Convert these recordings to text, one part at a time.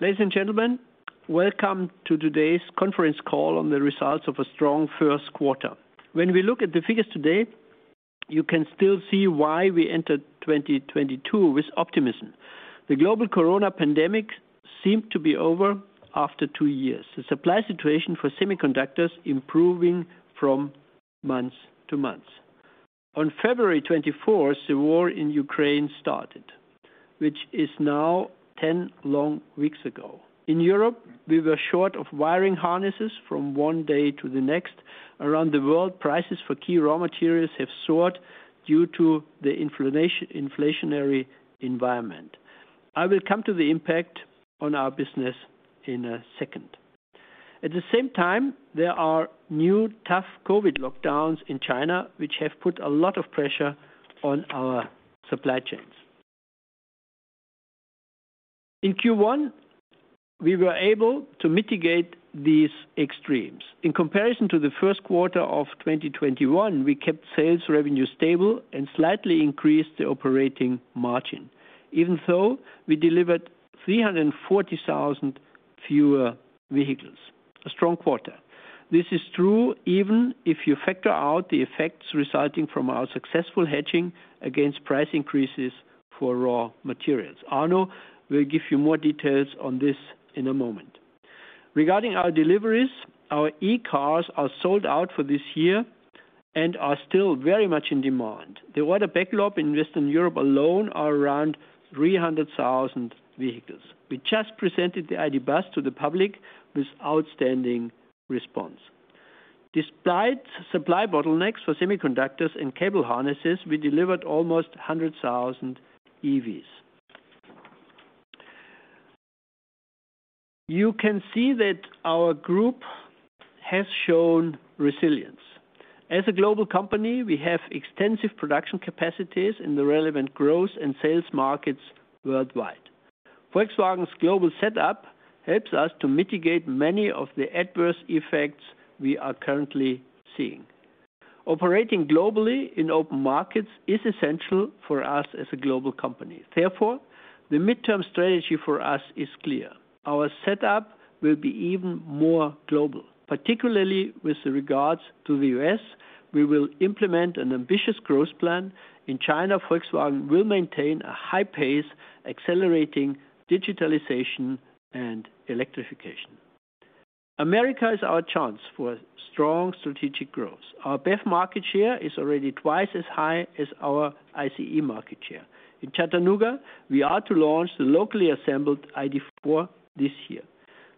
Ladies and gentlemen, welcome to today's conference call on the results of a strong first quarter. When we look at the figures today, you can still see why we entered 2022 with optimism. The global corona pandemic seemed to be over after two years. The supply situation for semiconductors improving from month to month. On February 24th, the war in Ukraine started, which is now 10 long weeks ago. In Europe, we were short of wiring harnesses from one day to the next. Around the world, prices for key raw materials have soared due to the inflationary environment. I will come to the impact on our business in a second. At the same time, there are new tough COVID lockdowns in China, which have put a lot of pressure on our supply chains. In Q1, we were able to mitigate these extremes. In comparison to the first quarter of 2021, we kept sales revenue stable and slightly increased the operating margin. Even so, we delivered 340,000 fewer vehicles. A strong quarter. This is true even if you factor out the effects resulting from our successful hedging against price increases for raw materials. Arno will give you more details on this in a moment. Regarding our deliveries, our e-cars are sold out for this year and are still very much in demand. The order backlog in Western Europe alone is around 300,000 vehicles. We just presented the ID. Buzz to the public with outstanding response. Despite supply bottlenecks for semiconductors and cable harnesses, we delivered almost 100,000 EVs. You can see that our group has shown resilience. As a global company, we have extensive production capacities in the relevant growth and sales markets worldwide. Volkswagen's global setup helps us to mitigate many of the adverse effects we are currently seeing. Operating globally in open markets is essential for us as a global company. Therefore, the midterm strategy for us is clear. Our setup will be even more global. Particularly with regards to the U.S., we will implement an ambitious growth plan. In China, Volkswagen will maintain a high pace, accelerating digitalization and electrification. America is our chance for strong strategic growth. Our BEV market share is already twice as high as our ICE market share. In Chattanooga, we are to launch the locally assembled ID.4 this year.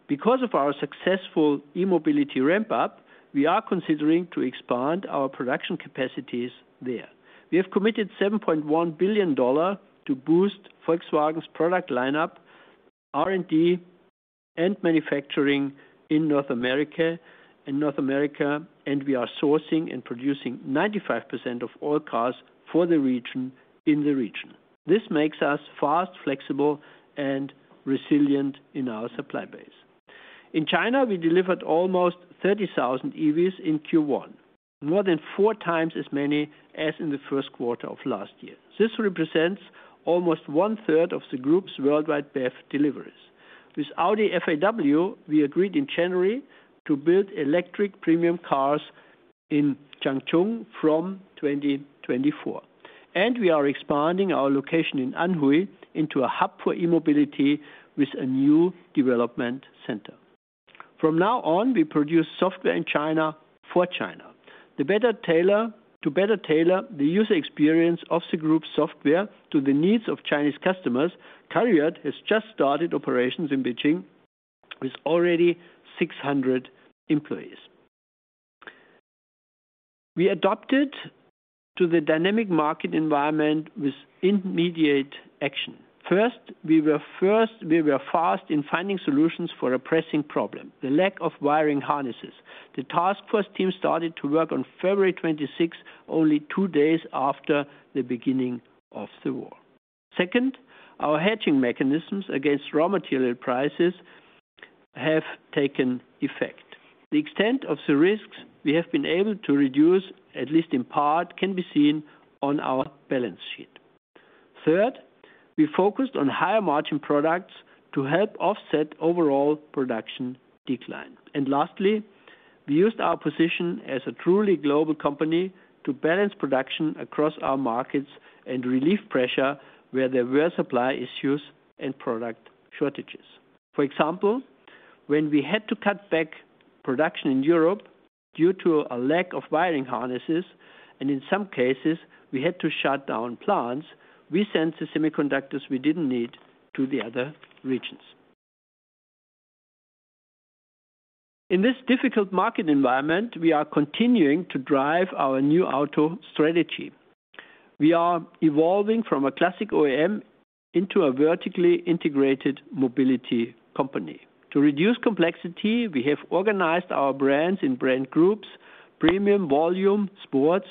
Because of our successful e-mobility ramp-up, we are considering to expand our production capacities there. We have committed $7.1 billion to boost Volkswagen's product lineup, R&D, and manufacturing in North America, and we are sourcing and producing 95% of all cars for the region. This makes us fast, flexible, and resilient in our supply base. In China, we delivered almost 30,000 EVs in Q1, more than four times as many as in the first quarter of last year. This represents almost one-third of the group's worldwide BEV deliveries. With Audi FAW, we agreed in January to build electric premium cars in Changchun from 2024. We are expanding our location in Anhui into a hub for e-mobility with a new development center. From now on, we produce software in China for China. To better tailor the user experience of the group's software to the needs of Chinese customers, Cariad has just started operations in Beijing with already 600 employees. We adapted to the dynamic market environment with immediate action. First, we were fast in finding solutions for a pressing problem, the lack of wiring harnesses. The task force team started to work on February 26th, only two days after the beginning of the war. Second, our hedging mechanisms against raw material prices have taken effect. The extent of the risks we have been able to reduce, at least in part, can be seen on our balance sheet. Third, we focused on higher-margin products to help offset overall production decline. Lastly, we used our position as a truly global company to balance production across our markets and relieve pressure where there were supply issues and product shortages. For example, when we had to cut back production in Europe due to a lack of wiring harnesses, and in some cases, we had to shut down plants, we sent the semiconductors we didn't need to the other regions. In this difficult market environment, we are continuing to drive our NEW AUTO strategy. We are evolving from a classic OEM into a vertically integrated mobility company. To reduce complexity, we have organized our brands in brand groups, premium, volume, sports,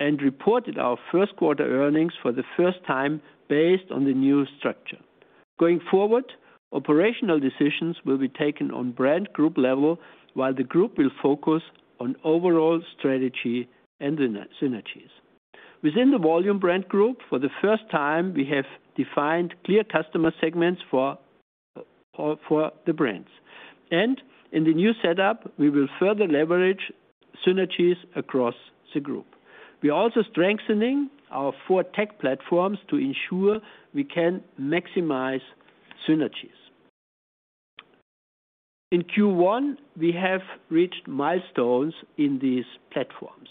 and reported our first quarter earnings for the first time based on the new structure. Going forward, operational decisions will be taken on brand group level, while the group will focus on overall strategy and synergies. Within the volume brand group, for the first time, we have defined clear customer segments for the brands. In the new setup, we will further leverage synergies across the group. We're also strengthening our four tech platforms to ensure we can maximize synergies. In Q1, we have reached milestones in these platforms.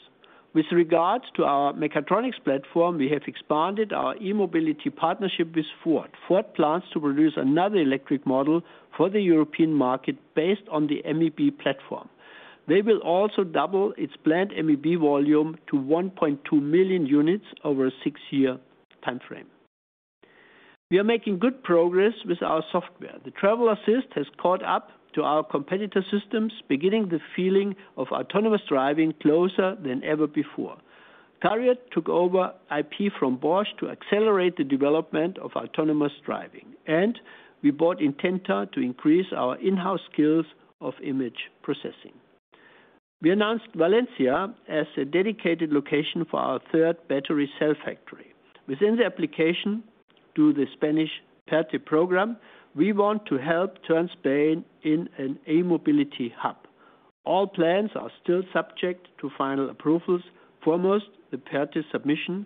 With regards to our mechatronics platform, we have expanded our e-mobility partnership with Ford. Ford plans to produce another electric model for the European market based on the MEB platform. They will also double its planned MEB volume to 1.2 million units over a six-year timeframe. We are making good progress with our software. The Travel Assist has caught up to our competitor systems, bringing the feeling of autonomous driving closer than ever before. Cariad took over IP from Bosch to accelerate the development of autonomous driving, and we bought Intenta to increase our in-house skills of image processing. We announced Valencia as a dedicated location for our third battery cell factory. Within the application to the Spanish PERTE program, we want to help turn Spain in an e-mobility hub. All plans are still subject to final approvals, foremost, the PERTE submission.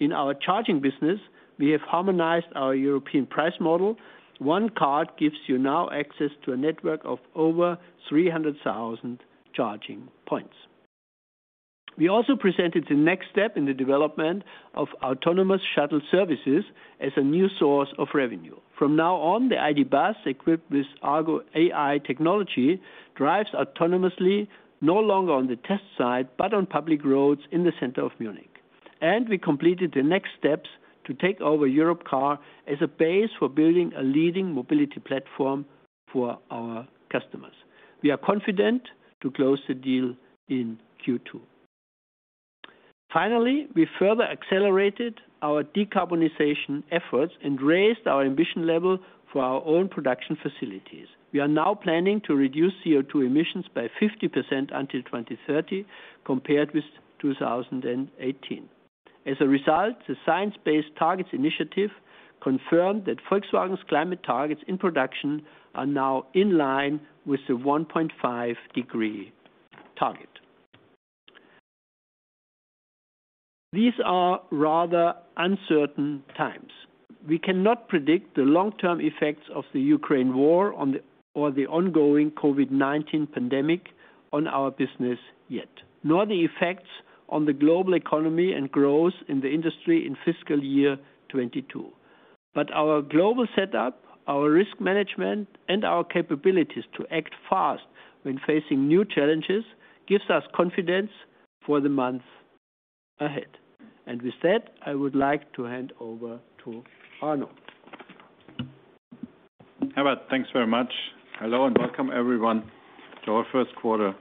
In our charging business, we have harmonized our European price model. One card gives you now access to a network of over 300,000 charging points. We also presented the next step in the development of autonomous shuttle services as a new source of revenue. From now on, the ID. Buzz, equipped with Argo AI technology, drives autonomously no longer on the test site, but on public roads in the center of Munich. We completed the next steps to take over Europcar as a base for building a leading mobility platform for our customers. We are confident to close the deal in Q2. Finally, we further accelerated our decarbonization efforts and raised our ambition level for our own production facilities. We are now planning to reduce CO2 emissions by 50% until 2030, compared with 2018. As a result, the Science Based Targets initiative confirmed that Volkswagen's climate targets in production are now in line with the 1.5-degree target. These are rather uncertain times. We cannot predict the long-term effects of the Ukraine war or the ongoing COVID-19 pandemic on our business yet, nor the effects on the global economy and growth in the industry in fiscal year 2022. Our global setup, our risk management, and our capabilities to act fast when facing new challenges gives us confidence for the months ahead. With that, I would like to hand over to Arno. Herbert, thanks very much. Hello, and welcome, everyone, to our first quarter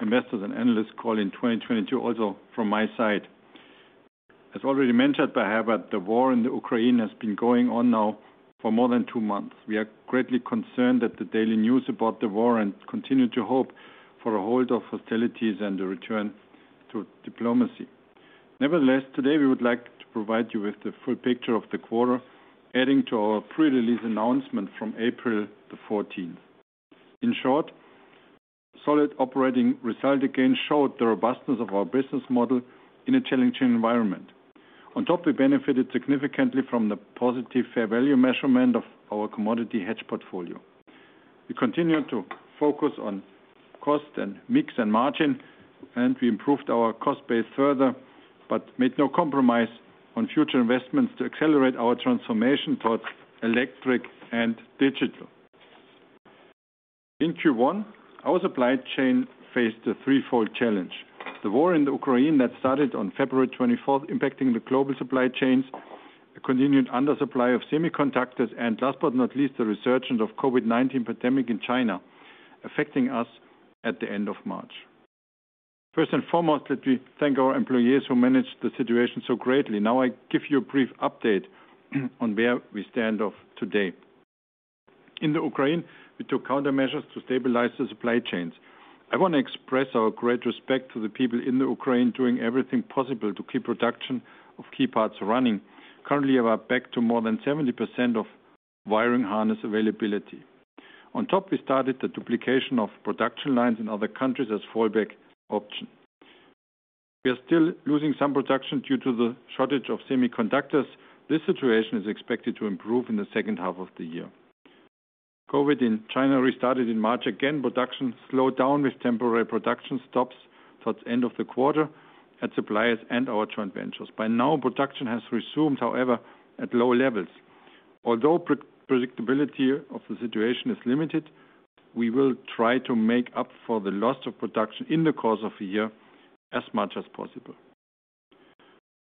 investors and analyst call in 2022, also from my side. As already mentioned by Herbert, the war in the Ukraine has been going on now for more than two months. We are greatly concerned at the daily news about the war and continue to hope for a hold of hostilities and a return to diplomacy. Nevertheless, today we would like to provide you with the full picture of the quarter, adding to our pre-release announcement from April 14. In short, solid operating result again showed the robustness of our business model in a challenging environment. On top, we benefited significantly from the positive fair value measurement of our commodity hedge portfolio. We continued to focus on cost and mix and margin, and we improved our cost base further, but made no compromise on future investments to accelerate our transformation towards electric and digital. In Q1, our supply chain faced a threefold challenge. The war in Ukraine that started on February 24, impacting the global supply chains, a continued undersupply of semiconductors, and last but not least, the resurgence of COVID-19 pandemic in China, affecting us at the end of March. First and foremost, let me thank our employees who managed the situation so greatly. Now I give you a brief update on where we stand as of today. In Ukraine, we took countermeasures to stabilize the supply chains. I want to express our great respect to the people in Ukraine doing everything possible to keep production of key parts running. Currently, we are back to more than 70% of wiring harness availability. On top, we started the duplication of production lines in other countries as fallback option. We are still losing some production due to the shortage of semiconductors. This situation is expected to improve in the second half of the year. COVID in China restarted in March. Again, production slowed down with temporary production stops towards end of the quarter at suppliers and our joint ventures. By now, production has resumed, however, at low levels. Although predictability of the situation is limited, we will try to make up for the loss of production in the course of a year as much as possible.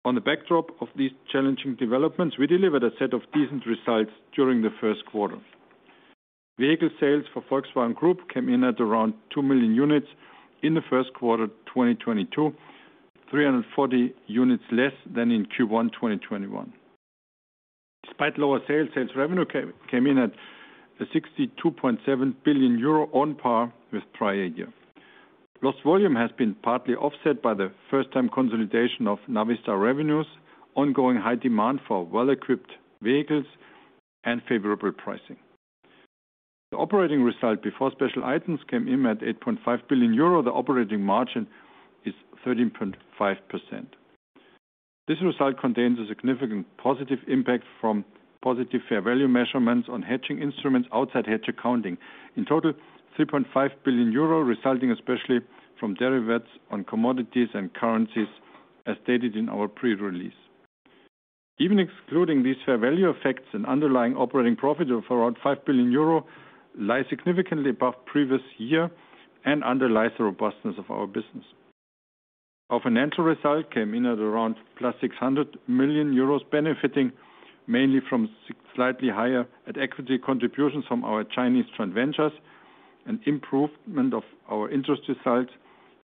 Against the backdrop of these challenging developments, we delivered a set of decent results during the first quarter. Vehicle sales for Volkswagen Group came in at around two million units in Q1 2022, 340 units less than in Q1 2021. Despite lower sales revenue came in at 62.7 billion euro on par with prior year. Lost volume has been partly offset by the first-time consolidation of Navistar revenues, ongoing high demand for well-equipped vehicles and favorable pricing. The operating result before special items came in at 8.5 billion euro. The operating margin is 13.5%. This result contains a significant positive impact from positive fair value measurements on hedging instruments outside hedge accounting. In total, 3.5 billion euro resulting especially from derivatives on commodities and currencies, as stated in our pre-release. Even excluding these fair value effects, an underlying operating profit of around 5 billion euro lies significantly above previous year and underlies the robustness of our business. Our financial result came in at around +600 million euros, benefiting mainly from slightly higher at-equity contributions from our Chinese joint ventures, an improvement of our interest results,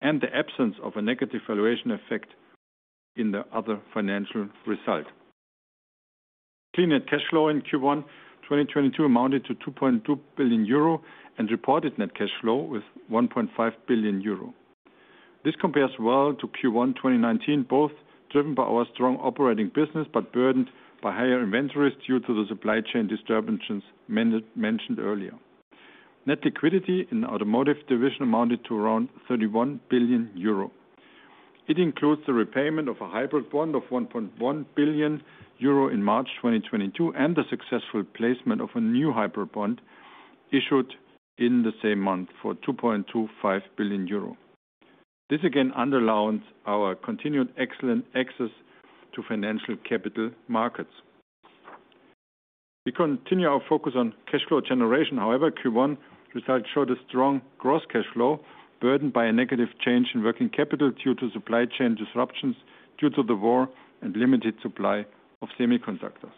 and the absence of a negative valuation effect in the other financial result. Clean net cash flow in Q1 2022 amounted to 2.2 billion euro and reported net cash flow with 1.5 billion euro. This compares well to Q1 2019, both driven by our strong operating business but burdened by higher inventories due to the supply chain disturbances mentioned earlier. Net liquidity in the automotive division amounted to around 31 billion euro. It includes the repayment of a hybrid bond of 1.1 billion euro in March 2022, and the successful placement of a new hybrid bond issued in the same month for 2.25 billion euro. This again underlines our continued excellent access to financial capital markets. We continue our focus on cash flow generation. However, Q1 results showed a strong gross cash flow burdened by a negative change in working capital due to supply chain disruptions due to the war and limited supply of semiconductors.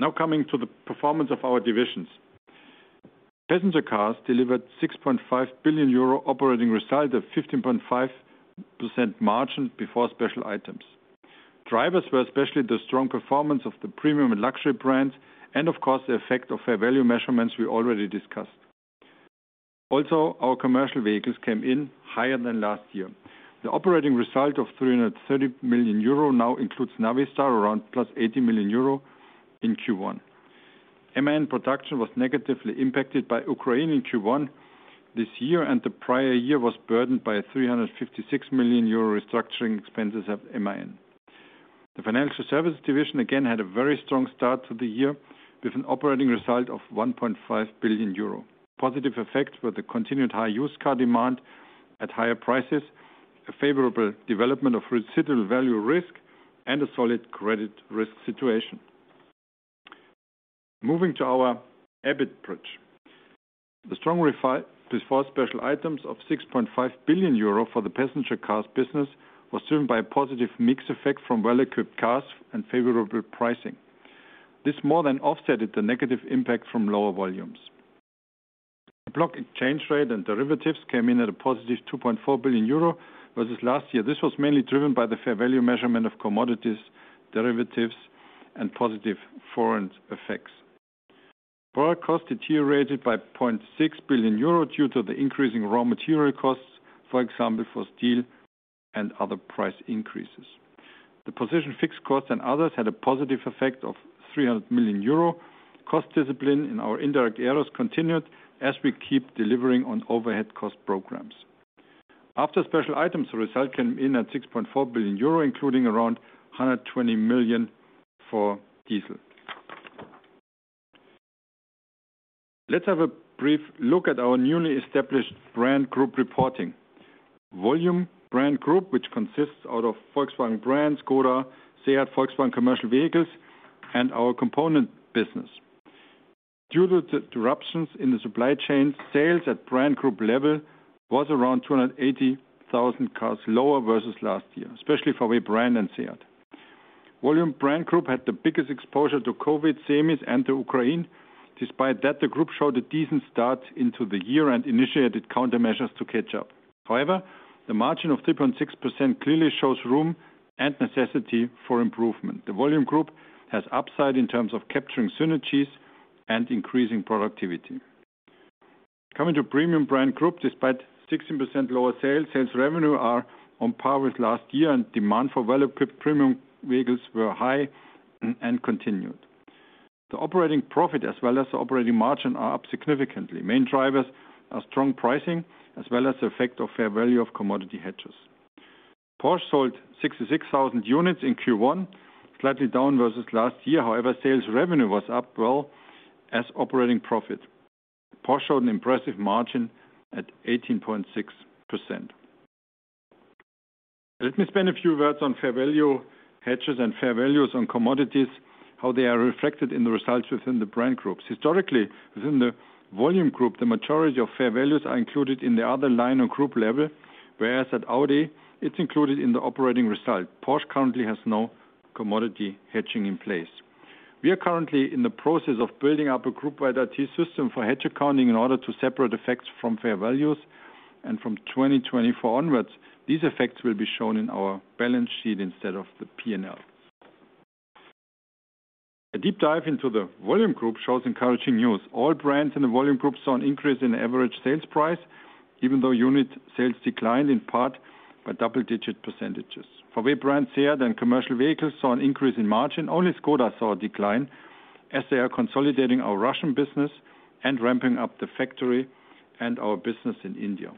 Now coming to the performance of our divisions. Passenger cars delivered 6.5 billion euro operating result of 15.5% margin before special items. Drivers were especially the strong performance of the premium and luxury brands and of course the effect of fair value measurements we already discussed. Also, our commercial vehicles came in higher than last year. The operating result of 330 million euro now includes Navistar, around +80 million euro in Q1. MAN production was negatively impacted by Ukraine in Q1 this year, and the prior year was burdened by a 356 million euro restructuring expenses of MAN. The financial services division again had a very strong start to the year with an operating result of 1.5 billion euro. Positive effects were the continued high used car demand at higher prices, a favorable development of residual value risk, and a solid credit risk situation. Moving to our EBIT bridge. The strong result before special items of 6.5 billion euro for the passenger cars business was driven by a positive mix effect from well-equipped cars and favorable pricing. This more than offset the negative impact from lower volumes. FX exchange rate and derivatives came in at a positive 2.4 billion euro versus last year. This was mainly driven by the fair value measurement of commodities, derivatives and positive foreign effects. Product cost deteriorated by 0.6 billion euro due to the increasing raw material costs, for example, for steel and other price increases. The position fixed costs and others had a positive effect of 300 million euro. Cost discipline in our indirect areas continued as we keep delivering on overhead cost programs. After special items, the result came in at 6.4 billion euro, including around 120 million for diesel. Let's have a brief look at our newly established brand group reporting. Volume brands group, which consists out of Volkswagen brand, Škoda, SEAT, Volkswagen Commercial Vehicles and our component business. Due to the disruptions in the supply chain, sales at brand group level was around 280,000 cars lower versus last year, especially for VW brand and SEAT. Volume brands group had the biggest exposure to COVID-19, SEMIS and to Ukraine. Despite that, the group showed a decent start into the year and initiated countermeasures to catch up. However, the margin of 3.6% clearly shows room and necessity for improvement. The volume group has upside in terms of capturing synergies and increasing productivity. Coming to premium brands group, despite 16% lower sales revenue are on par with last year and demand for well-equipped premium vehicles were high and continued. The operating profit as well as the operating margin are up significantly. Main drivers are strong pricing as well as the effect of fair value of commodity hedges. Porsche sold 66,000 units in Q1, slightly down versus last year. However, sales revenue was up, as well as operating profit. Porsche had an impressive margin at 18.6%. Let me spend a few words on fair value hedges and fair values on commodities, how they are reflected in the results within the brand groups. Historically, within the volume group, the majority of fair values are included in the other line or group level, whereas at Audi, it's included in the operating result. Porsche currently has no commodity hedging in place. We are currently in the process of building up a group-wide IT system for hedge accounting in order to separate effects from fair values. From 2024 onwards, these effects will be shown in our balance sheet instead of the P&L. A deep dive into the volume group shows encouraging news. All brands in the volume brands saw an increase in average sales price, even though unit sales declined in part by double-digit percentages. For volume brands, SEAT and Volkswagen Commercial Vehicles saw an increase in margin. Only Škoda saw a decline, as they are consolidating our Russian business and ramping up the factory and our business in India.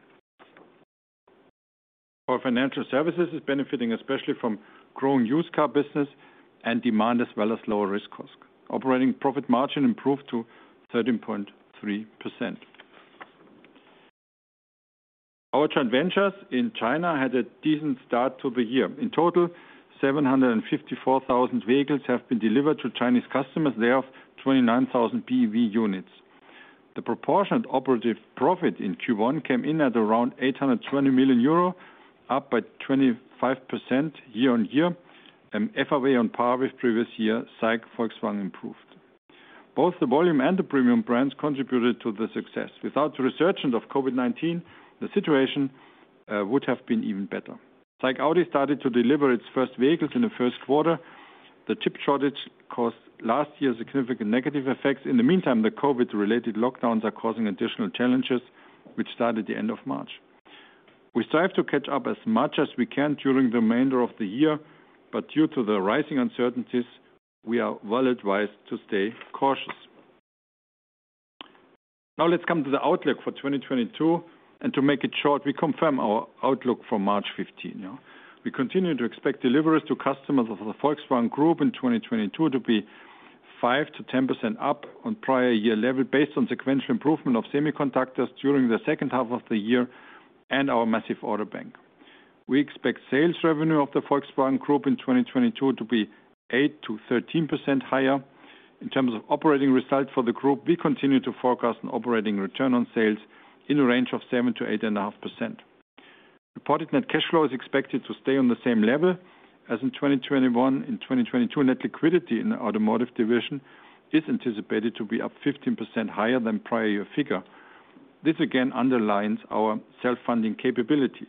Our financial services is benefiting, especially from growing used car business and demand, as well as lower risk cost. Operating profit margin improved to 13.3%. Our joint ventures in China had a decent start to the year. In total, 754,000 vehicles have been delivered to Chinese customers, thereof, 29,000 BEV units. The operating profit in Q1 came in at around 820 million euro, up by 25% year-on-year. FAW on par with previous year, SAIC Volkswagen improved. Both the Volume and the premium brands contributed to the success. Without the resurgence of COVID-19, the situation would have been even better. SAIC Audi started to deliver its first vehicles in the first quarter. The chip shortage caused last year's significant negative effects. In the meantime, the COVID-related lockdowns are causing additional challenges, which started at the end of March. We strive to catch up as much as we can during the remainder of the year, but due to the rising uncertainties, we are well advised to stay cautious. Now let's come to the outlook for 2022. To make it short, we confirm our outlook for March 15. We continue to expect deliveries to customers of the Volkswagen Group in 2022 to be 5%-10% up on prior year level based on sequential improvement of semiconductors during the second half of the year and our massive order bank. We expect sales revenue of the Volkswagen Group in 2022 to be 8%-13% higher. In terms of operating results for the group, we continue to forecast an operating return on sales in the range of 7%-8.5%. Reported net cash flow is expected to stay on the same level as in 2021. In 2022, net liquidity in the automotive division is anticipated to be up 15% higher than prior year figure. This again underlines our self-funding capabilities.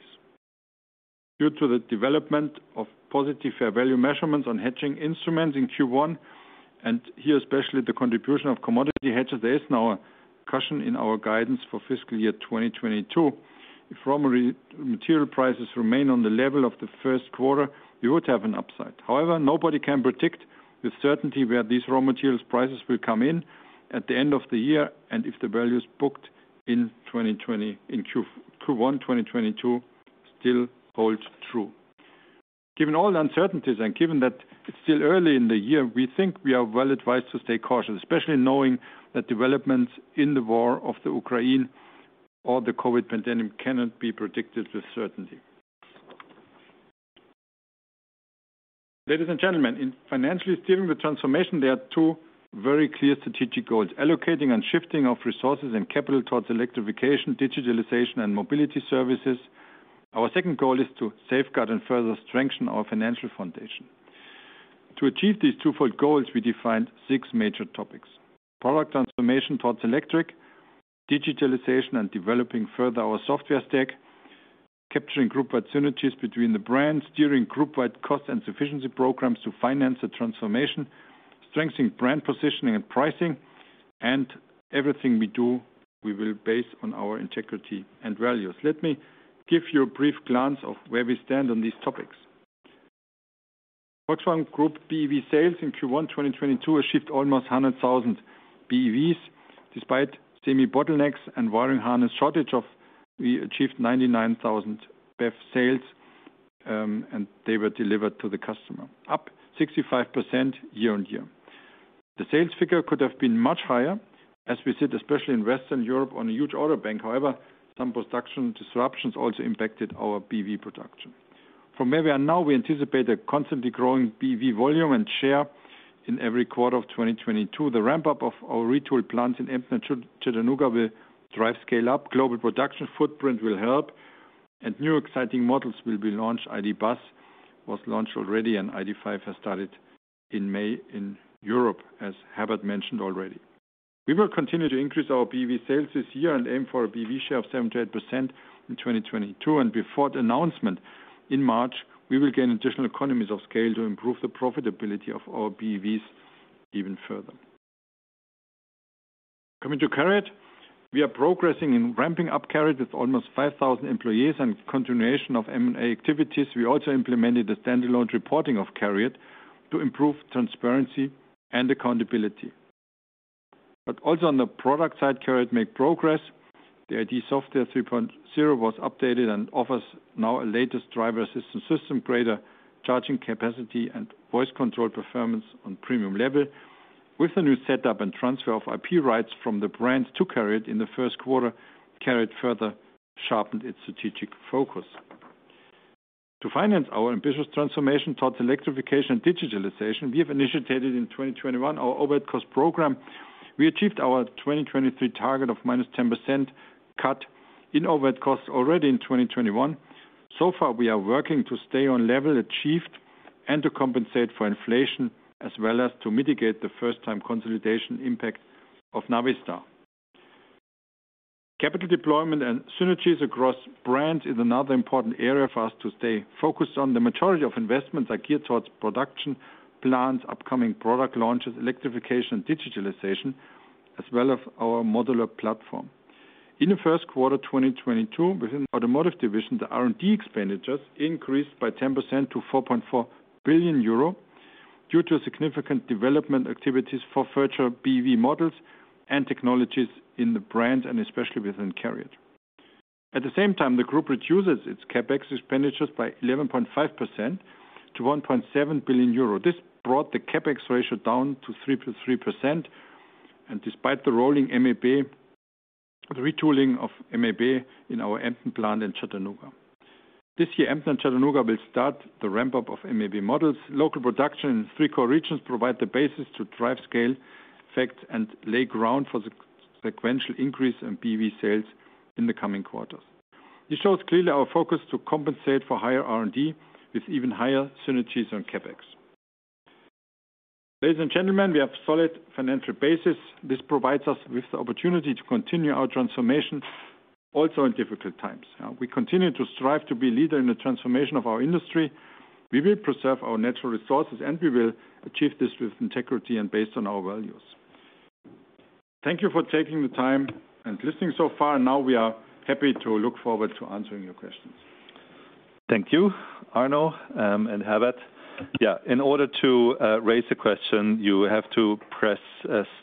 Due to the development of positive fair value measurements on hedging instruments in Q1, and here, especially the contribution of commodity hedges, there is now a caution in our guidance for fiscal year 2022. If raw material prices remain on the level of the first quarter, we would have an upside. However, nobody can predict with certainty where these raw materials prices will come in at the end of the year, and if the value is booked in Q1, 2022 still holds true. Given all the uncertainties and given that it's still early in the year, we think we are well advised to stay cautious, especially knowing that developments in the war of the Ukraine or the COVID pandemic cannot be predicted with certainty. Ladies and gentlemen, in financially steering the transformation, there are two very clear strategic goals: allocating and shifting of resources and capital towards electrification, digitalization, and mobility services. Our second goal is to safeguard and further strengthen our financial foundation. To achieve these twofold goals, we defined six major topics. Product transformation towards electric, digitalization and developing further our software stack, capturing group-wide synergies between the brands, steering group-wide cost and sufficiency programs to finance the transformation, strengthening brand positioning and pricing, and everything we do, we will base on our integrity and values. Let me give you a brief glance of where we stand on these topics. Volkswagen Group BEV sales in Q1 2022 has shipped almost 100,000 BEVs. Despite semi bottlenecks and wiring harness shortage, we achieved 99,000 BEV sales, and they were delivered to the customer, up 65% year-over-year. The sales figure could have been much higher as we sit, especially in Western Europe, on a huge order bank. However, some production disruptions also impacted our BEV production. From where we are now, we anticipate a constantly growing BEV volume and share in every quarter of 2022. The ramp-up of our retool plants in Emden and Chattanooga will drive scale up. Global production footprint will help, and new exciting models will be launched. ID. Buzz was launched already, and ID.5 has started in May in Europe, as Herbert mentioned already. We will continue to increase our BEV sales this year and aim for a BEV share of 78% in 2022. Before the announcement in March, we will gain additional economies of scale to improve the profitability of our BEVs even further. Coming to CARIAD, we are progressing in ramping up CARIAD with almost 5,000 employees and continuation of M&A activities. We also implemented the standalone reporting of CARIAD to improve transparency and accountability. Also on the product side, CARIAD makes progress. The ID. software 3.0 was updated and offers now the latest driver assistance system, greater charging capacity, and voice control performance on premium level. With the new setup and transfer of IP rights from the brand to CARIAD in the first quarter, CARIAD further sharpened its strategic focus. To finance our ambitious transformation towards electrification and digitalization, we have initiated in 2021 our overhead cost program. We achieved our 2023 target of -10% cut in overhead costs already in 2021. So far, we are working to stay on level achieved and to compensate for inflation as well as to mitigate the first-time consolidation impact of Navistar. Capital deployment and synergies across brands is another important area for us to stay focused on. The majority of investments are geared towards production plans, upcoming product launches, electrification, digitalization, as well as our modular platform. In the first quarter, 2022, within the automotive division, the R&D expenditures increased by 10%-EUR 4.4 billion due to significant development activities for future BEV models and technologies in the brand and especially within Cariad. At the same time, the group reduces its CapEx expenditures by 11.5%-EUR 1.7 billion. This brought the CapEx ratio down to 3% and despite the rolling MEB, the retooling of MEB in our Em plant in Chattanooga. This year, Em plant in Chattanooga will start the ramp up of MEB models. Local production in three core regions provide the basis to drive scale effect and lay ground for the sequential increase in BEV sales in the coming quarters. This shows clearly our focus to compensate for higher R&D with even higher synergies on CapEx. Ladies and gentlemen, we have solid financial basis. This provides us with the opportunity to continue our transformation also in difficult times. We continue to strive to be leader in the transformation of our industry. We will preserve our natural resources, and we will achieve this with integrity and based on our values. Thank you for taking the time and listening so far. Now we are happy to look forward to answering your questions. Thank you, Arno, and Herbert. Yeah. In order to raise a question, you have to press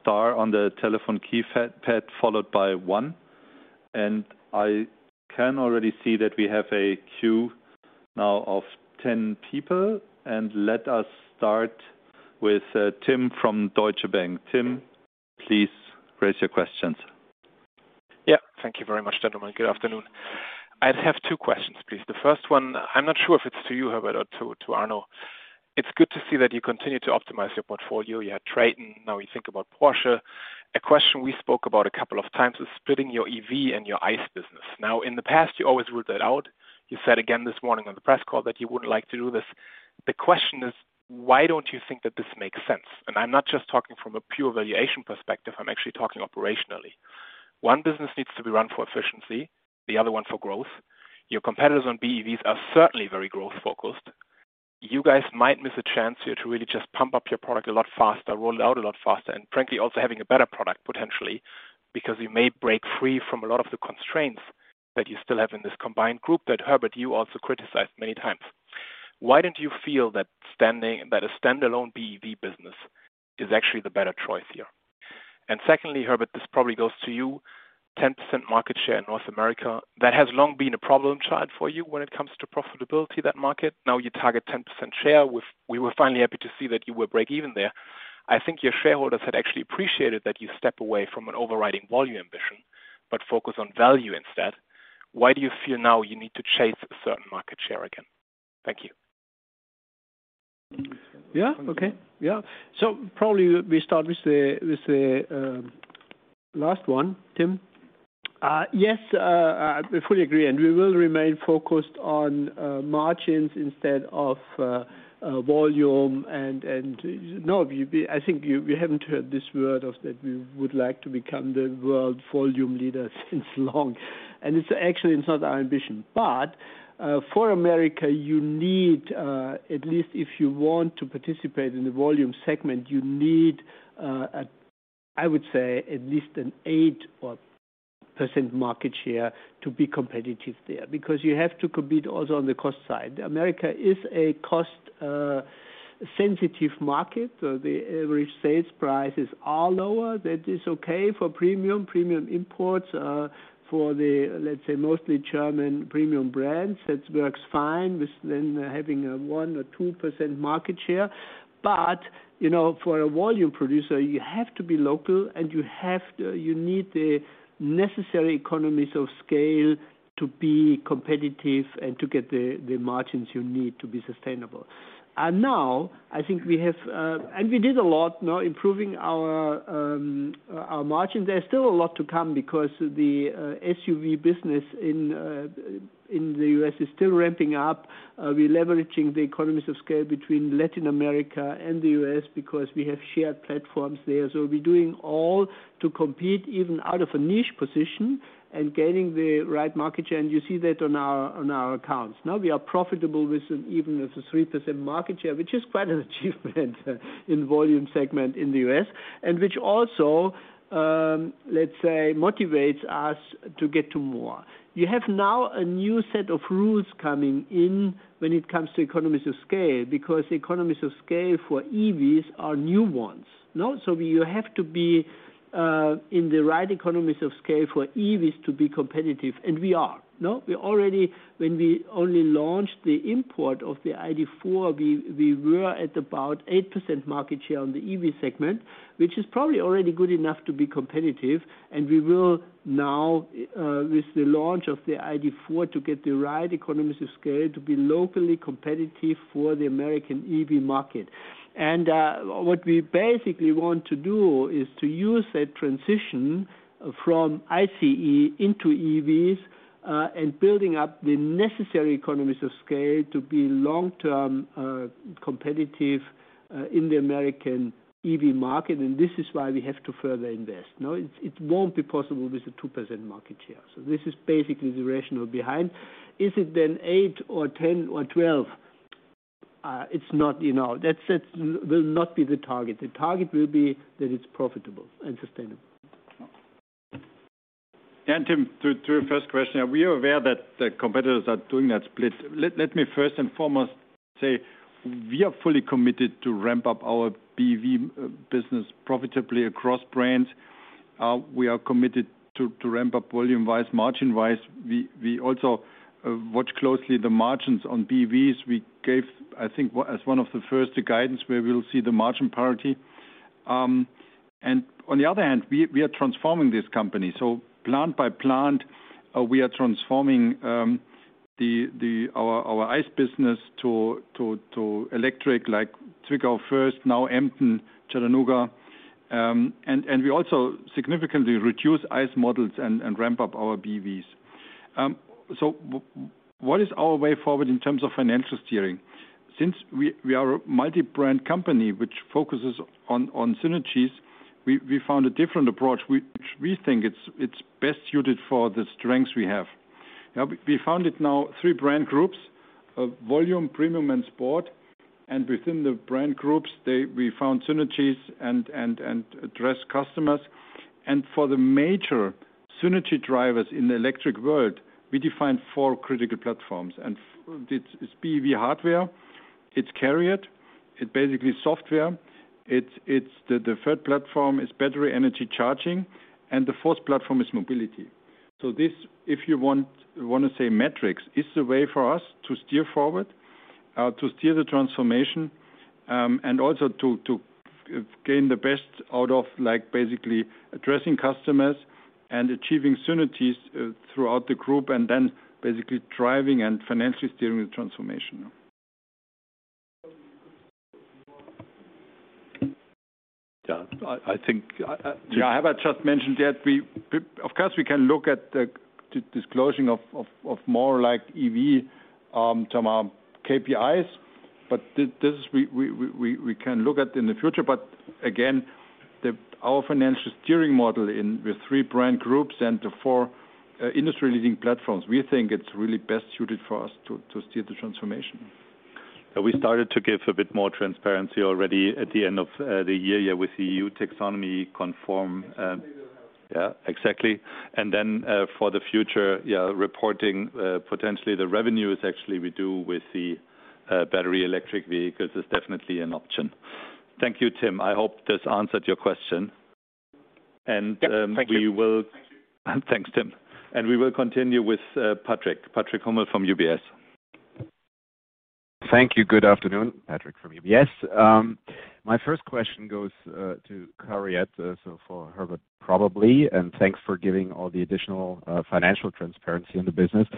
star on the telephone keypad followed by one. I can already see that we have a queue now of 10 people. Let us start with Tim from Deutsche Bank. Tim, please raise your questions. Yeah, thank you very much, gentlemen. Good afternoon. I have two questions, please. The first one, I'm not sure if it's to you, Herbert, or to Arno. It's good to see that you continue to optimize your portfolio. You had Traton. Now you think about Porsche. A question we spoke about a couple of times is splitting your EV and your ICE business. Now, in the past, you always ruled that out. You said again this morning on the press call that you wouldn't like to do this. The question is, why don't you think that this makes sense? I'm not just talking from a pure valuation perspective. I'm actually talking operationally. One business needs to be run for efficiency, the other one for growth. Your competitors on BEVs are certainly very growth focused. You guys might miss a chance here to really just pump up your product a lot faster, roll it out a lot faster, and frankly, also having a better product potentially, because you may break free from a lot of the constraints that you still have in this combined group that, Herbert, you also criticized many times. Why don't you feel that a standalone BEV business is actually the better choice here? Secondly, Herbert, this probably goes to you. 10% market share in North America. That has long been a problem child for you when it comes to profitability, that market. Now you target 10% share with. We were finally happy to see that you were break even there. I think your shareholders had actually appreciated that you step away from an overriding volume ambition but focus on value instead. Why do you feel now you need to chase a certain market share again? Thank you. Probably we start with the last one, Tim. Yes, I fully agree. We will remain focused on margins instead of volume. No, I think we haven't heard this word that we would like to become the world volume leader for a long time. It's actually not our ambition. For America, you need at least if you want to participate in the volume segment, you need I would say at least an 8% or 9% market share to be competitive there because you have to compete also on the cost side. America is a cost sensitive market. The average sales prices are lower. That is okay for premium. Premium imports, for the, let's say, mostly German premium brands, that works fine with them having a 1% or 2% market share. For a volume producer, you have to be local, and you need the necessary economies of scale to be competitive and to get the margins you need to be sustainable. Now I think we have and we did a lot now improving our margins. There's still a lot to come because the SUV business in the US is still ramping up. We're leveraging the economies of scale between Latin America and the US because we have shared platforms there. We're doing all to compete even out of a niche position and gaining the right market share. You see that on our accounts. We are profitable even with a 3% market share, which is quite an achievement in volume segment in the U.S. and which also, let's say, motivates us to get to more. You have now a new set of rules coming in when it comes to economies of scale, because economies of scale for EVs are new ones. You have to be in the right economies of scale for EVs to be competitive, and we are. We already, when we only launched the import of the ID.4, we were at about 8% market share on the EV segment, which is probably already good enough to be competitive. We will now with the launch of the ID.4 to get the right economies of scale to be locally competitive for the American EV market. What we basically want to do is to use that transition from ICE into EVs, and building up the necessary economies of scale to be long-term, competitive, in the American EV market. This is why we have to further invest. No, it won't be possible with the 2% market share. This is basically the rationale behind. Is it then eight or 10 or 12? It's not, you know. That will not be the target. The target will be that it's profitable and sustainable. Tim, to your first question, we are aware that the competitors are doing that split. Let me first and foremost say we are fully committed to ramp up our BEV business profitably across brands. We are committed to ramp up volume-wise, margin-wise. We also watch closely the margins on BEVs. We gave, I think, as one of the first, the guidance where we'll see the margin parity. On the other hand, we are transforming this company. Plant by plant, we are transforming our ICE business to electric, like Zwickau first, now Emden, Chattanooga. We also significantly reduce ICE models and ramp up our BEVs. What is our way forward in terms of financial steering? Since we are a multi-brand company which focuses on synergies, we found a different approach, which we think it's best suited for the strengths we have. Now, we found it now three brand groups, volume, premium and sport. Within the brand groups, we found synergies and address customers. For the major synergy drivers in the electric world, we defined four critical platforms. It's BEV hardware, it's Cariad, it's basically software, it's the third platform is battery energy charging, and the fourth platform is mobility. This, if you want wanna say metrics, is the way for us to steer forward, to steer the transformation, and also to gain the best out of like basically addressing customers and achieving synergies throughout the group, and then basically driving and financially steering the transformation. Yeah, I think I just mentioned that we of course can look at disclosing more like EV some KPIs, but this we can look at in the future. Our financial steering model with three brand groups and the four industry-leading platforms, we think it's really best suited for us to steer the transformation. We started to give a bit more transparency already at the end of the year with the EU taxonomy conform exactly. For the future reporting potentially the revenues actually we do with the battery electric vehicles is definitely an option. Thank you, Tim. I hope this answered your question. Thank you. Thanks, Tim. We will continue with Patrick Hummel from UBS. Thank you. Good afternoon. Patrick from UBS. My first question goes to CARIAD, so for Herbert probably, and thanks for giving all the additional financial transparency in the business.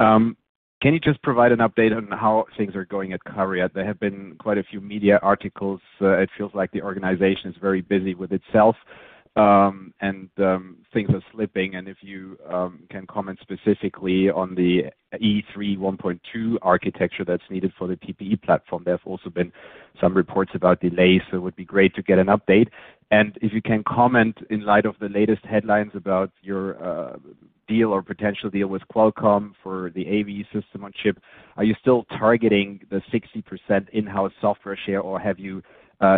Can you just provide an update on how things are going at CARIAD? There have been quite a few media articles. It feels like the organization is very busy with itself, and things are slipping. If you can comment specifically on the E3 1.2 architecture that's needed for the PPE platform. There have also been some reports about delays, so it would be great to get an update. If you can comment in light of the latest headlines about your deal or potential deal with Qualcomm for the AV system on chip. Are you still targeting the 60% in-house software share, or have you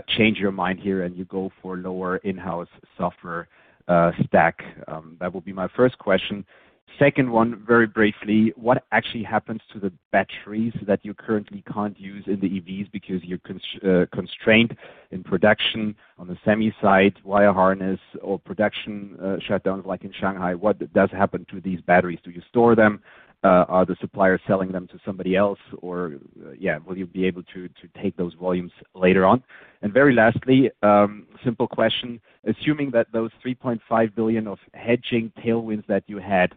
changed your mind here and you go for lower in-house software stack? That would be my first question. Second one, very briefly, what actually happens to the batteries that you currently can't use in the EVs because you're constrained in production on the semi side, wire harness or production shutdowns like in Shanghai? What does happen to these batteries? Do you store them? Are the suppliers selling them to somebody else? Or, yeah, will you be able to take those volumes later on? Very lastly, simple question, assuming that those 3.5 billion of hedging tailwinds that you had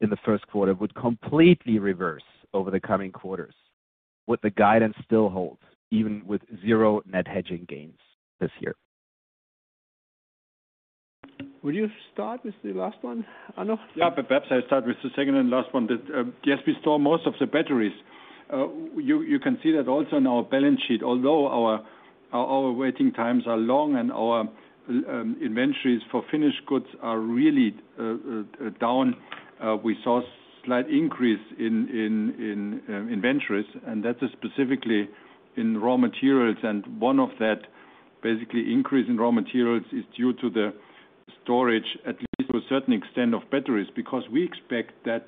in the first quarter would completely reverse over the coming quarters, would the guidance still hold even with zero net hedging gains this year? Would you start with the last one, Arno? Yeah. Perhaps I start with the second and last one. Yes, we store most of the batteries. You can see that also in our balance sheet. Although our waiting times are long and our inventories for finished goods are really down, we saw slight increase in inventories, and that is specifically in raw materials. One of the basic increases in raw materials is due to the storage, at least to a certain extent, of batteries. Because we expect that,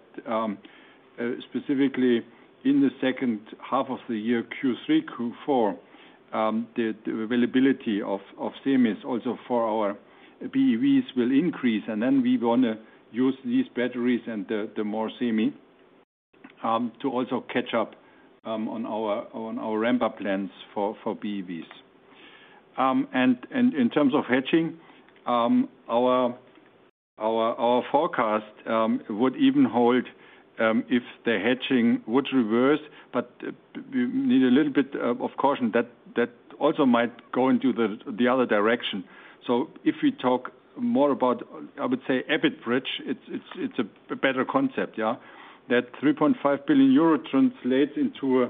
specifically in the second half of the year, Q3, Q4, the availability of semis also for our BEVs will increase, and then we want to use these batteries and the more semis to also catch up on our ramp-up plans for BEVs. In terms of hedging, our forecast would even hold if the hedging would reverse, but we need a little bit of caution that that also might go into the other direction. If we talk more about, I would say, EBIT bridge, it's a better concept, yeah. That 3.5 billion euro translates into a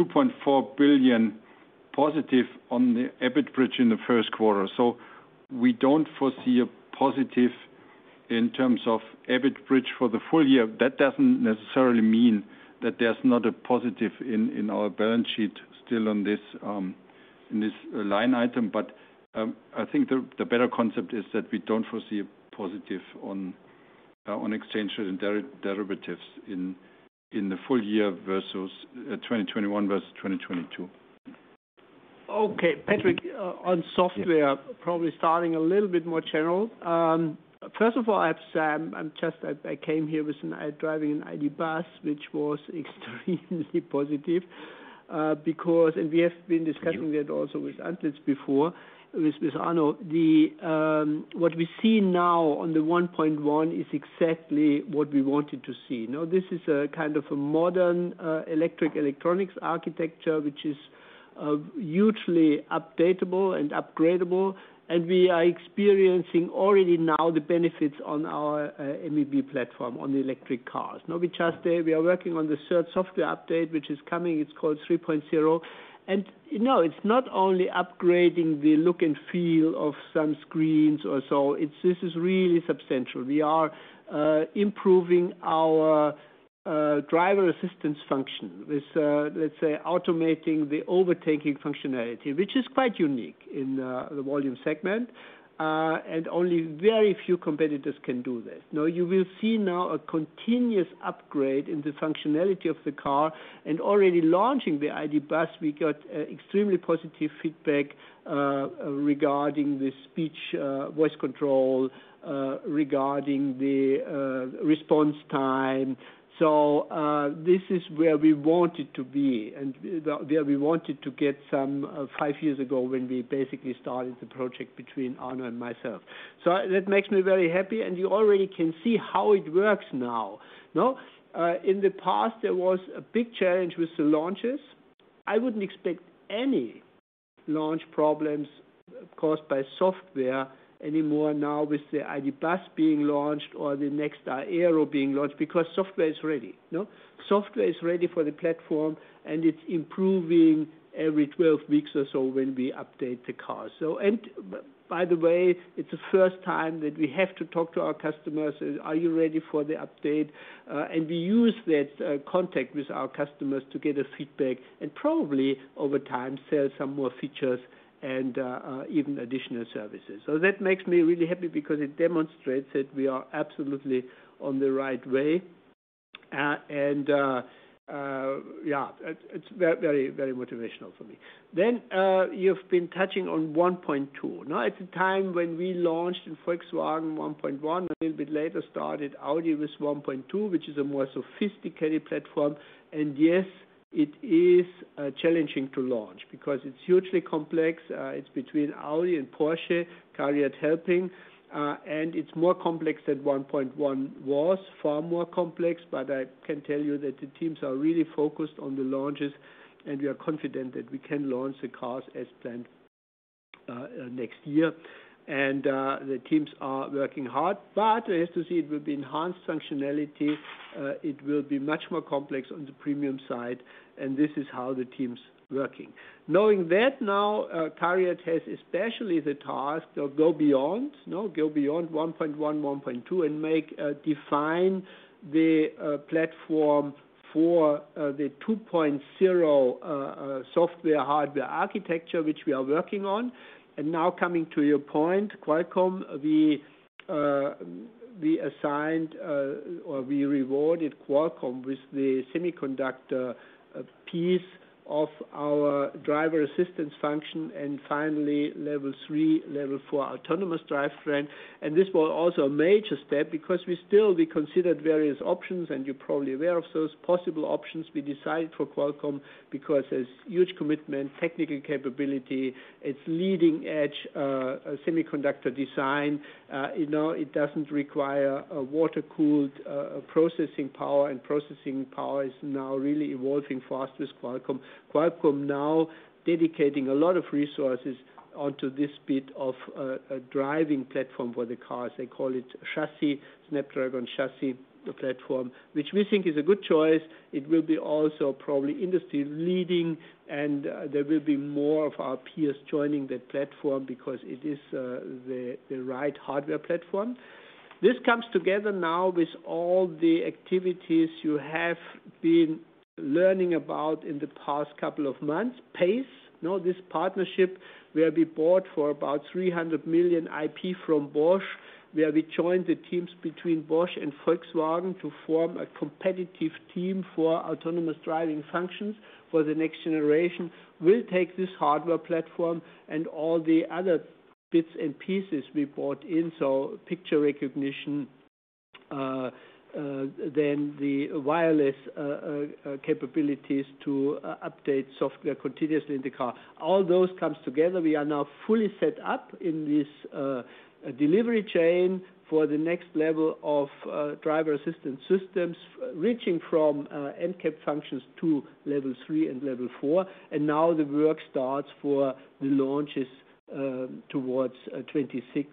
2.4 billion positive on the EBIT bridge in the first quarter. We don't foresee a positive in terms of EBIT bridge for the full year. That doesn't necessarily mean that there's not a positive in our balance sheet still on this, in this line item, but I think the better concept is that we don't foresee a positive on exchange rate and derivatives in the full year versus 2021 versus 2022. Okay, Patrick, on software. Yes. Probably starting a little bit more general. First of all, I have to say I just came here with an ID, driving an ID. Buzz, which was extremely positive. Because we have been discussing that also with Arno Antlitz before, with Arno, what we see now on the 1.1 is exactly what we wanted to see. Now, this is a kind of a modern electric electronics architecture, which is hugely updatable and upgradable, and we are experiencing already now the benefits on our MEB platform on the electric cars. Now we are working on the third software update, which is coming. It's called 3.0. No, it's not only upgrading the look and feel of some screens or so. This is really substantial. We are improving our driver assistance function. With, let's say, automating the overtaking functionality, which is quite unique in the volume segment. Only very few competitors can do this. Now, you will see a continuous upgrade in the functionality of the car. Already launching the ID. Buzz, we got extremely positive feedback regarding the speech, voice control, regarding the response time. This is where we wanted to be and where we wanted to get some five years ago when we basically started the project between Arno and myself. That makes me very happy, and you already can see how it works now, no? In the past, there was a big challenge with the launches. I wouldn't expect any launch problems caused by software anymore now with the ID. Buzz being launched or the next Aero B being launched, because software is ready, no? Software is ready for the platform, and it's improving every 12 weeks or so when we update the car. By the way, it's the first time that we have to talk to our customers, "Are you ready for the update?" We use that contact with our customers to get a feedback and probably, over time, sell some more features and even additional services. That makes me really happy because it demonstrates that we are absolutely on the right way. Yeah, it's very, very motivational for me. You've been touching on 1.2. Now, at the time when we launched in Volkswagen 1.1, a little bit later started Audi with 1.2, which is a more sophisticated platform. Yes, it is challenging to launch because it's hugely complex. It's between Audi and Porsche, CARIAD helping. It's more complex than 1.1 was, far more complex, but I can tell you that the teams are really focused on the launches, and we are confident that we can launch the cars as planned, next year. The teams are working hard. But as you see, it will be enhanced functionality. It will be much more complex on the premium side, and this is how the team's working. Knowing that now, CARIAD has especially the task of go beyond. No, go beyond 1.1.2, and make define the platform for the 2.0 software, hardware architecture, which we are working on. Now coming to your point, Qualcomm, we assigned or we awarded Qualcomm with the semiconductor piece of our driver assistance function and finally level three, level four autonomous drivetrain. This was also a major step because we considered various options, and you're probably aware of those possible options. We decided for Qualcomm because there's huge commitment, technical capability, it's leading-edge semiconductor design. You know, it doesn't require a water-cooled processing power, and processing power is now really evolving fast with Qualcomm. Qualcomm now dedicating a lot of resources onto this bit of a driving platform for the cars. They call it Snapdragon Digital Chassis, the platform. Which we think is a good choice. It will be also probably industry-leading, and there will be more of our peers joining that platform because it is the right hardware platform. This comes together now with all the activities you have been learning about in the past couple of months. Pace, you know, this partnership where we bought IP for about 300 million from Bosch, where we joined the teams between Bosch and Volkswagen to form a competitive team for autonomous driving functions for the next generation. We'll take this hardware platform and all the other bits and pieces we bought in, so picture recognition, then the wireless capabilities to update software continuously in the car. All those comes together. We are now fully set up in this delivery chain for the next level of driver assistance systems, reaching from NCAP functions to level three and level four. Now the work starts for the launches towards 2026,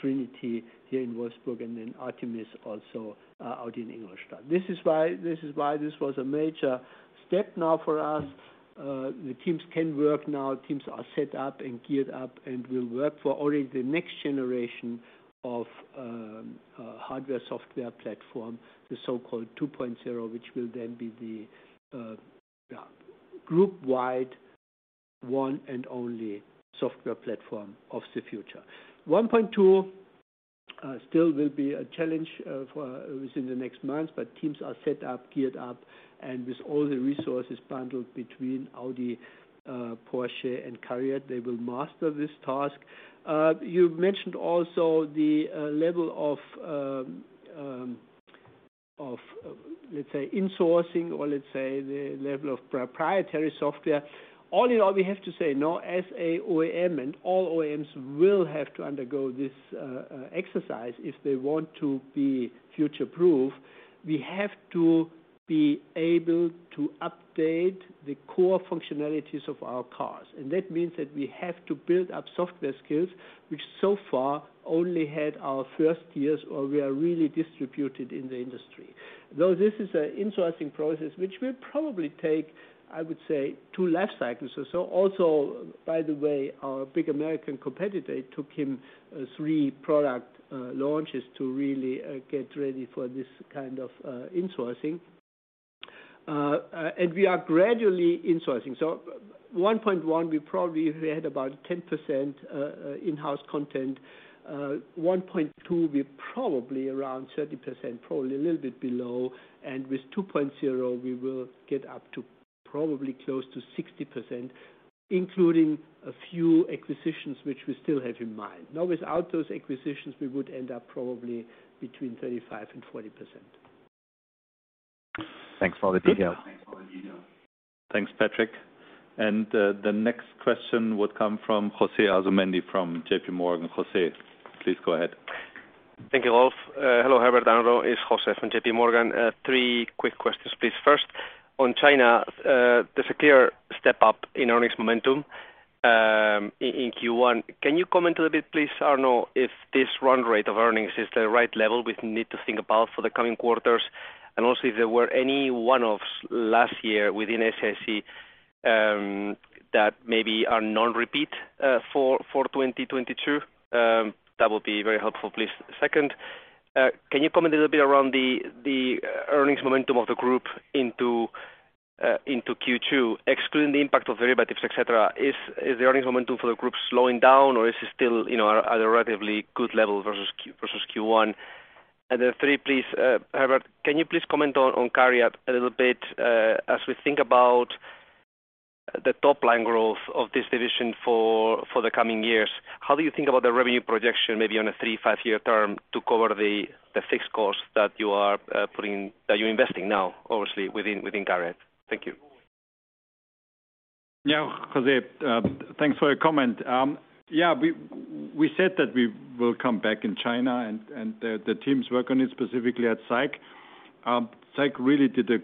Trinity here in Wolfsburg and then Artemis also out in Ingolstadt. This is why this was a major step now for us. The teams can work now. Teams are set up and geared up and will work for already the next generation of hardware, software platform, the so-called 2.0, which will then be the yeah, group-wide one and only software platform of the future. 1.2 Still will be a challenge within the next month, but teams are set up, geared up, and with all the resources bundled between Audi, Porsche and CARIAD, they will master this task. You mentioned also the level of let's say insourcing or let's say the level of proprietary software. All in all, we have to say no, as an OEM and all OEMs will have to undergo this exercise if they want to be future-proof. We have to be able to update the core functionalities of our cars, and that means that we have to build up software skills which so far only had our first years, or we are really distributed in the industry. Though this is an insourcing process which will probably take, I would say, two life cycles or so. Also, by the way, our big American competitor, it took him three product launches to really get ready for this kind of insourcing. We are gradually insourcing. 1.1, we probably had about 10% in-house content. 1.2, we probably around 30%, probably a little bit below. With 2.0, we will get up to probably close to 60%, including a few acquisitions which we still have in mind. Without those acquisitions, we would end up probably between 35% and 40%. Thanks for the details. Thanks, Patrick. The next question would come from José Asumendi from JPMorgan. José, please go ahead. Thank you, Rolf. Hello, Herbert, Arno. It's José Asumendi from JPMorgan. Three quick questions, please. First, on China, there's a clear step up in earnings momentum in Q1. Can you comment a little bit, please, Arno, if this run rate of earnings is the right level we need to think about for the coming quarters? Also, if there were any one-offs last year within SAIC that maybe are non-repeat for 2022, that would be very helpful, please. Second, can you comment a little bit around the earnings momentum of the group into Q2, excluding the impact of derivatives, et cetera, is the earnings momentum for the group slowing down, or is it still, you know, at a relatively good level versus Q1? Three, please, Herbert, can you please comment on CARIAD a little bit? As we think about the top line growth of this division for the coming years, how do you think about the revenue projection maybe on a three, five-year term to cover the fixed costs that you're investing now, obviously within CARIAD? Thank you. Yeah, José, thanks for your comment. Yeah, we said that we will come back in China and the teams work on it specifically at SAIC. SAIC really did a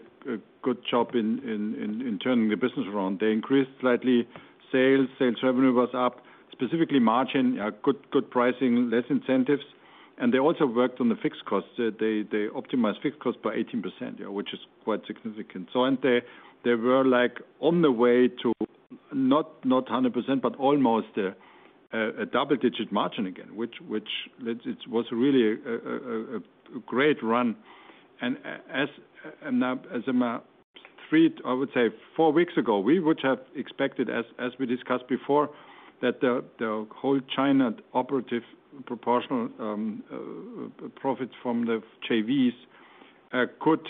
good job in turning the business around. They increased slightly sales. Sales revenue was up, specifically margin, good pricing, less incentives. They also worked on the fixed costs. They optimized fixed costs by 18%, which is quite significant. They were like, on the way to not 100%, but almost, a double-digit margin again, which it was really a great run. As a matter of three, I would say four weeks ago, we would have expected, as we discussed before, that the whole China operations proportional profit from the JVs could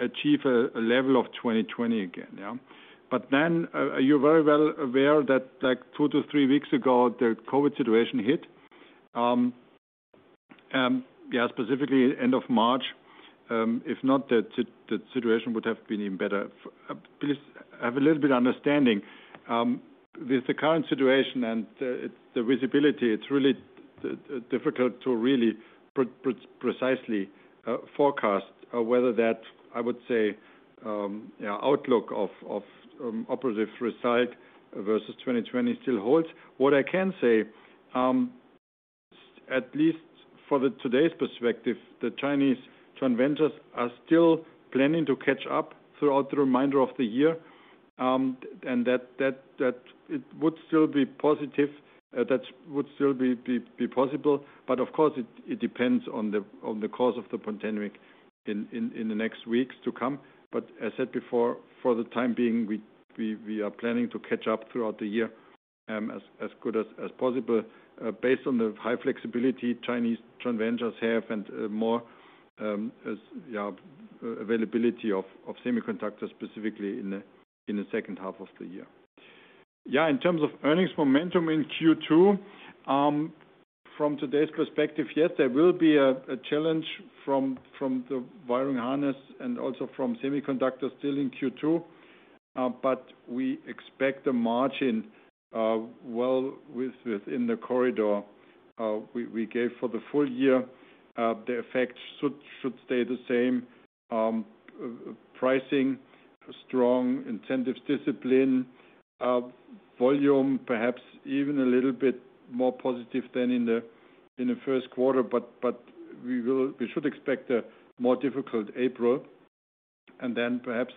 achieve a level of 2020 again. Then, you're very well aware that like two to three weeks ago, the COVID situation hit. Specifically end of March. If not, the situation would have been even better. Please have a little bit of understanding with the current situation and the visibility. It's really difficult to really precisely forecast whether that, I would say, outlook of operating result versus 2020 still holds. What I can say, at least for today's perspective, the Chinese joint ventures are still planning to catch up throughout the remainder of the year, and that it would still be positive, that would still be possible. Of course, it depends on the course of the pandemic in the next weeks to come. As said before, for the time being, we are planning to catch up throughout the year, as good as possible, based on the high flexibility Chinese joint ventures have and more availability of semiconductors specifically in the second half of the year. Yeah, in terms of earnings momentum in Q2, from today's perspective, yes, there will be a challenge from the wiring harness and also from semiconductors still in Q2. We expect the margin, well, within the corridor we gave for the full year. The effect should stay the same. Pricing, strong incentives, discipline, volume, perhaps even a little bit more positive than in the first quarter. We should expect a more difficult April and then perhaps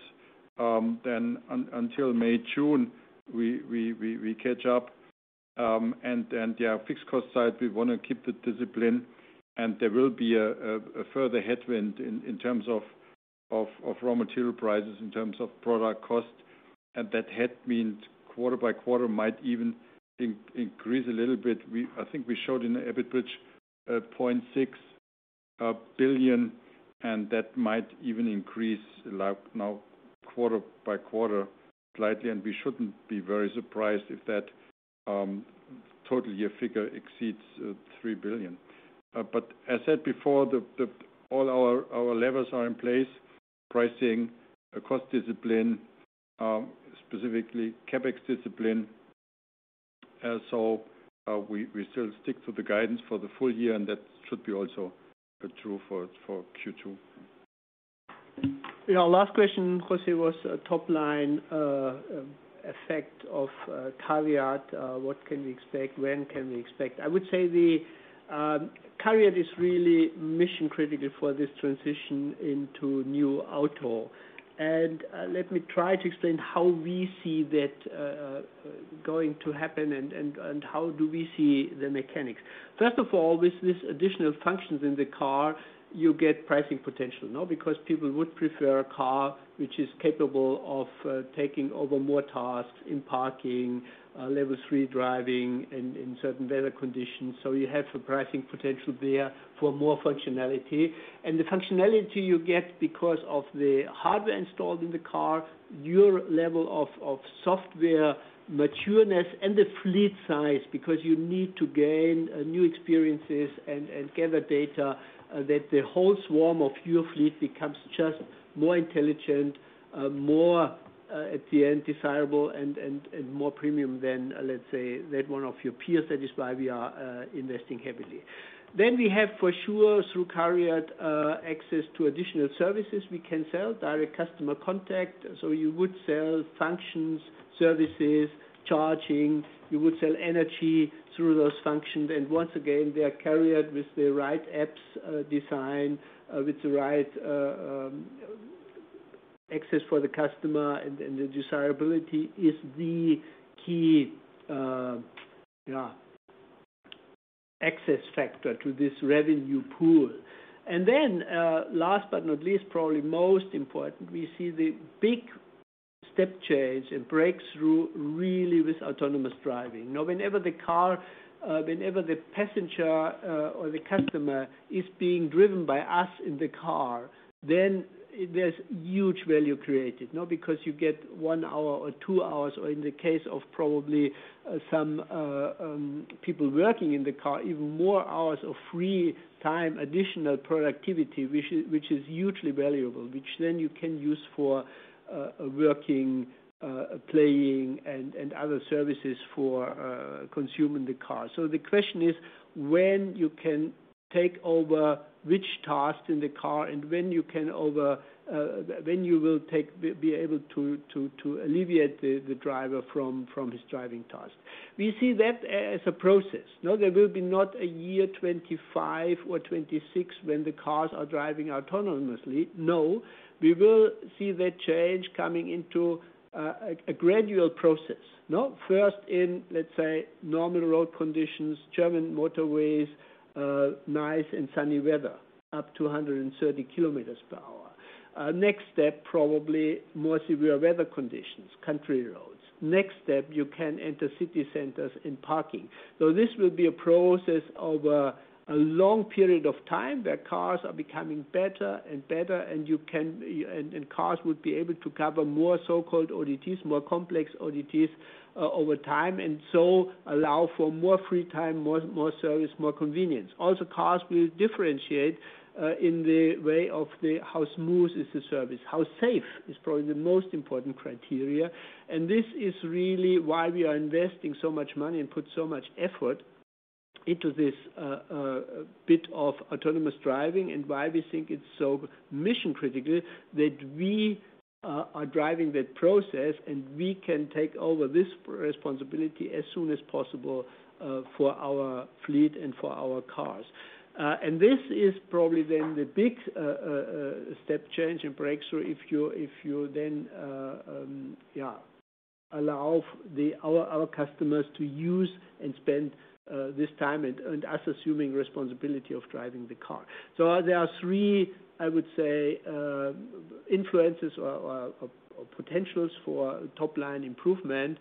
until May, June, we catch up. Fixed cost side, we wanna keep the discipline and there will be a further headwind in terms of raw material prices in terms of product cost. That had been quarter by quarter, might even increase a little bit. I think we showed in the EBIT bridge 0.6 billion, and that might even increase like now quarter by quarter slightly. We shouldn't be very surprised if that total year figure exceeds 3 billion. As said before, all our levers are in place, pricing, cost discipline, specifically CapEx discipline. We still stick to the guidance for the full year, and that should be also true for Q2. Yeah, last question, José, was top line effect of CARIAD. What can we expect? When can we expect? I would say the CARIAD is really mission-critical for this transition into NEW AUTO. Let me try to explain how we see that going to happen and how do we see the mechanics. First of all, with these additional functions in the car, you get pricing potential, no? Because people would prefer a car which is capable of taking over more tasks in parking, level three driving in certain weather conditions. So you have a pricing potential there for more functionality. The functionality you get because of the hardware installed in the car, your level of software matureness, and the fleet size, because you need to gain new experiences and gather data, that the whole swarm of your fleet becomes just more intelligent, more desirable and more premium than, let's say, that one of your peers. That is why we are investing heavily. We have for sure, through Cariad, access to additional services we can sell, direct customer contact. You would sell functions, services, charging, you would sell energy through those functions. Once again, they are Cariad with the right apps, design, with the right access for the customer and the desirability is the key access factor to this revenue pool. Then, last but not least, probably most important, we see the big step change and breakthrough really with autonomous driving. Now, whenever the car, whenever the passenger or the customer is being driven by us in the car, then there's huge value created. You know, because you get one hour or two hours, or in the case of probably some people working in the car, even more hours of free time, additional productivity, which is hugely valuable, which then you can use for working, playing and other services for consuming the car. The question is when you can take over which task in the car and when you will be able to alleviate the driver from his driving task. We see that as a process. No, there will be not a year 2025 or 2026 when the cars are driving autonomously. No, we will see that change coming into a gradual process, no? First in, let's say, normal road conditions, German motorways, nice and sunny weather, up to 130 km per hour. Next step, probably more severe weather conditions, country roads. Next step, you can enter city centers in parking. This will be a process over a long period of time where cars are becoming better and better, and cars would be able to cover more so-called ODDs, more complex ODDs, over time, and so allow for more free time, more service, more convenience. Also, cars will differentiate in the way of how smooth is the service, how safe is probably the most important criteria. This is really why we are investing so much money and put so much effort into this bit of autonomous driving and why we think it's so mission-critical that we are driving that process, and we can take over this responsibility as soon as possible for our fleet and for our cars. This is probably then the big step change and breakthrough if you then allow our customers to use and spend this time and us assuming responsibility of driving the car. There are three, I would say, influences or potentials for top-line improvement,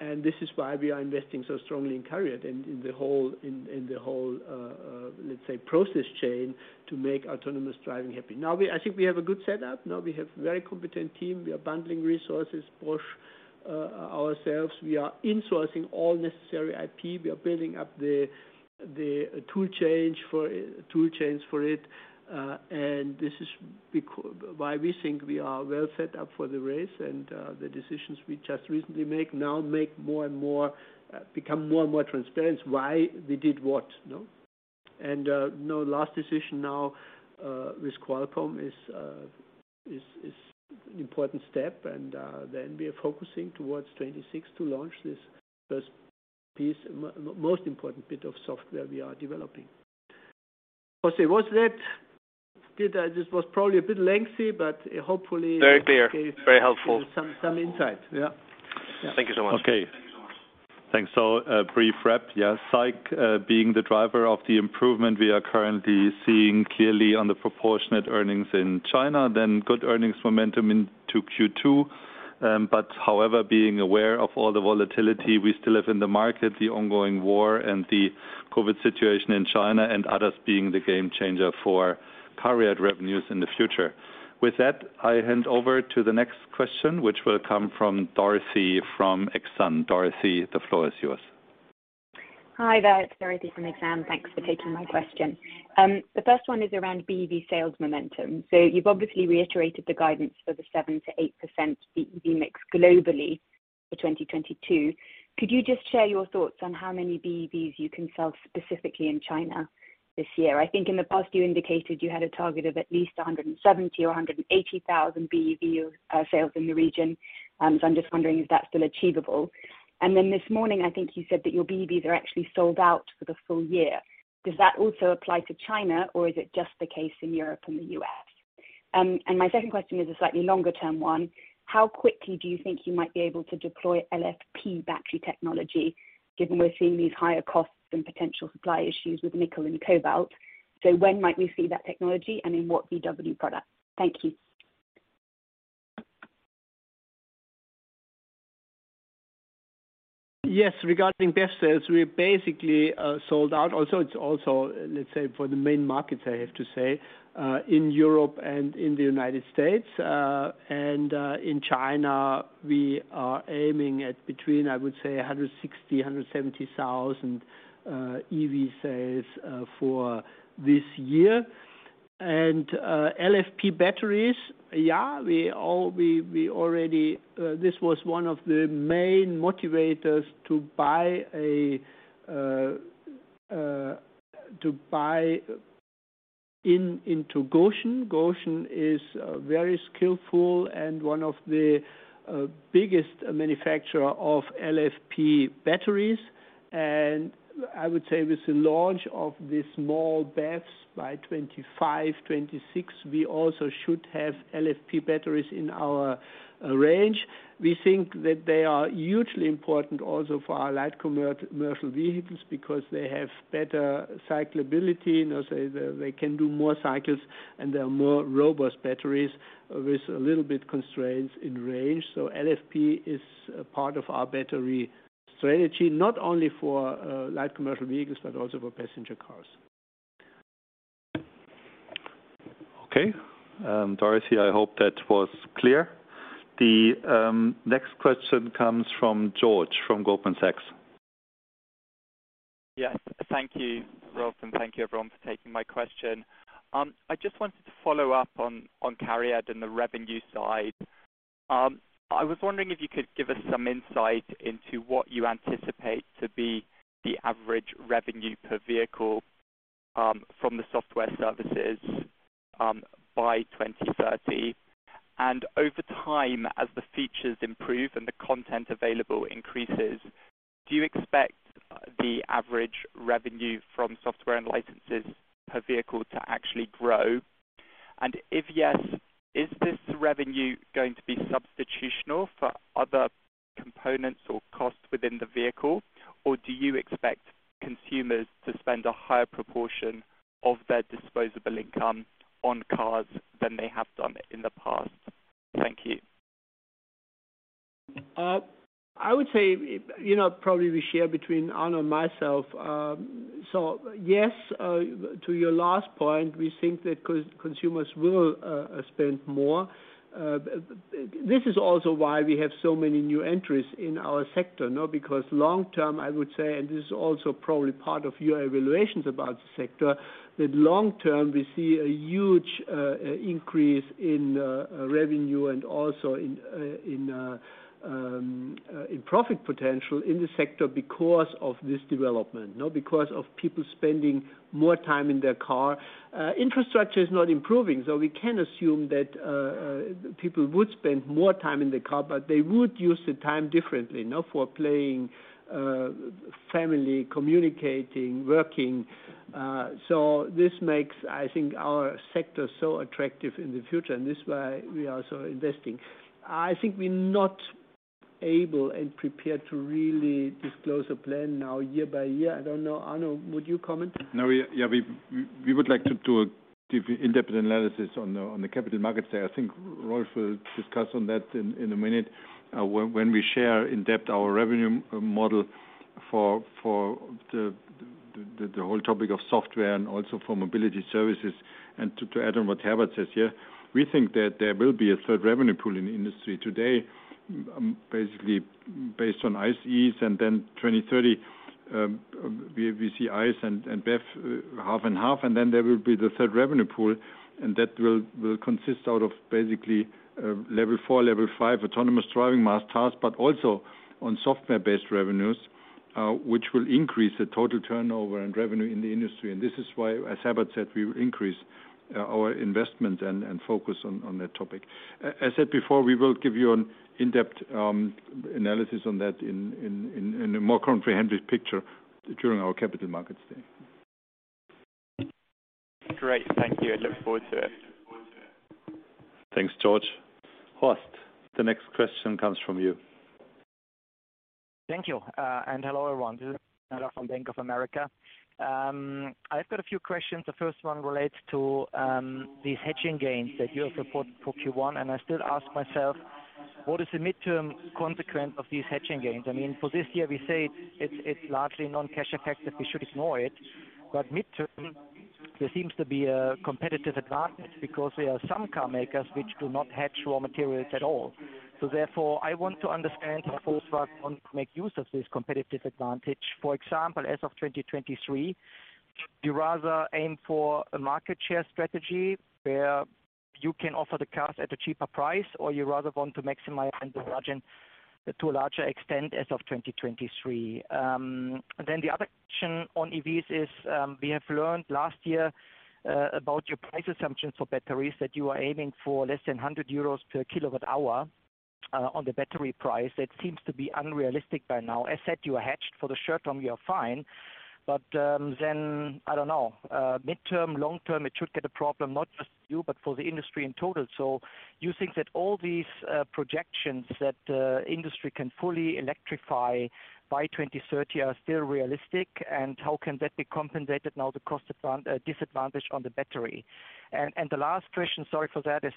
and this is why we are investing so strongly in CARIAD in the whole let's say process chain to make autonomous driving happen. I think we have a good setup. We have a very competent team. We are bundling resources, push ourselves. We are insourcing all necessary IP. We are building up the tool chains for it. This is why we think we are well set up for the race, and the decisions we just recently make make more and more become more and more transparent why we did what, no? Now, the last decision now with Qualcomm is an important step. Then we are focusing towards 2026 to launch this first piece, most important bit of software we are developing. José, was that? This was probably a bit lengthy, but hopefully. Very clear. Very helpful. Some insight, yeah. Thank you so much. Okay. Thanks. A brief wrap. Yes, CARIAD being the driver of the improvement we are currently seeing clearly on the proportionate earnings in China, then good earnings momentum into Q2. But however, being aware of all the volatility we still have in the market, the ongoing war and the COVID situation in China and others being the game changer for CARIAD revenues in the future. With that, I hand over to the next question, which will come from Dorothee from Exane. Dorothee, the floor is yours. Hi there. It's Dorothee from Exane. Thanks for taking my question. The first one is around BEV sales momentum. You've obviously reiterated the guidance for the 7%-8% BEV mix globally for 2022. Could you just share your thoughts on how many BEVs you can sell specifically in China this year? I think in the past, you indicated you had a target of at least 170 or 180,000 BEV sales in the region. I'm just wondering if that's still achievable. Then this morning, I think you said that your BEVs are actually sold out for the full year. Does that also apply to China or is it just the case in Europe and the US? My second question is a slightly longer term one. How quickly do you think you might be able to deploy LFP battery technology given we're seeing these higher costs and potential supply issues with nickel and cobalt? When might we see that technology and in what VW product? Thank you. Yes. Regarding BEV sales, we basically sold out. It's also, let's say, for the main markets, I have to say, in Europe and in the United States. In China, we are aiming at between, I would say, 160-170 thousand EV sales for this year. LFP batteries, yeah, we already, this was one of the main motivators to buy into Gotion. Gotion is very skillful and one of the biggest manufacturer of LFP batteries. I would say with the launch of the small BEVs by 2025-2026, we also should have LFP batteries in our range. We think that they are hugely important also for our light commercial vehicles because they have better cyclability. Now, they can do more cycles, and they are more robust batteries with a little bit of constraints in range. LFP is a part of our battery strategy, not only for light commercial vehicles, but also for passenger cars. Okay. Dorothee, I hope that was clear. The next question comes from George from Goldman Sachs. Yes. Thank you, Rolf, and thank you everyone for taking my question. I just wanted to follow up on Cariad and the revenue side. I was wondering if you could give us some insight into what you anticipate to be the average revenue per vehicle from the software services by 2030. Over time, as the features improve and the content available increases, do you expect the average revenue from software and licenses per vehicle to actually grow? And if yes, is this revenue going to be substitutional for other components or costs within the vehicle? Or do you expect consumers to spend a higher proportion of their disposable income on cars than they have done in the past? Thank you. I would say, you know, probably we share between Arno and myself. Yes, to your last point, we think that consumers will spend more. This is also why we have so many new entries in our sector, no? Because long term, I would say, and this is also probably part of your evaluations about the sector, that long term we see a huge increase in revenue and also in profit potential in the sector because of this development, no, because of people spending more time in their car. Infrastructure is not improving, so we can assume that people would spend more time in the car, but they would use the time differently, no, for playing, family, communicating, working. This makes, I think, our sector so attractive in the future, and this is why we are also investing. I think we're not able and prepared to really disclose a plan now year by year. I don't know. Arno, would you comment? No, yeah, we would like to do an in-depth analysis on the capital markets there. I think Rolf will discuss that in a minute, when we share in-depth our revenue model for the whole topic of software and also for mobility services. To add on what Herbert says, yeah, we think that there will be a third revenue pool in the industry today, basically based on ICEs and then 2030, we see ICE and BEV half and half, and then there will be the third revenue pool, and that will consist of basically level four, level five autonomous driving tasks, but also on software-based revenues, which will increase the total turnover and revenue in the industry. This is why, as Herbert said, we increase our investment and focus on that topic. As said before, we will give you an in-depth analysis on that in a more comprehensive picture during our Capital Markets Day. Great. Thank you. I look forward to it. Thanks, George. Horst, the next question comes from you. Thank you and hello everyone. This is Horst from Bank of America. I've got a few questions. The first one relates to these hedging gains that you have reported for Q1, and I still ask myself, what is the midterm consequence of these hedging gains? I mean, for this year we say it's largely non-cash effective, we should ignore it. Midterm, there seems to be a competitive advantage because there are some car makers which do not hedge raw materials at all. Therefore, I want to understand how Volkswagen make use of this competitive advantage. For example, as of 2023, do you rather aim for a market share strategy where you can offer the cars at a cheaper price, or you rather want to maximize the margin to a larger extent as of 2023? The other question on EVs is, we have learned last year about your price assumptions for batteries that you are aiming for less than 100 euros per kWh on the battery price. That seems to be unrealistic by now. As said, you are hedged for the short term, you are fine. I don't know, midterm, long term, it should get a problem, not just you, but for the industry in total. You think that all these projections that industry can fully electrify by 2030 are still realistic, and how can that be compensated now, the cost disadvantage on the battery? The last question, sorry for that, is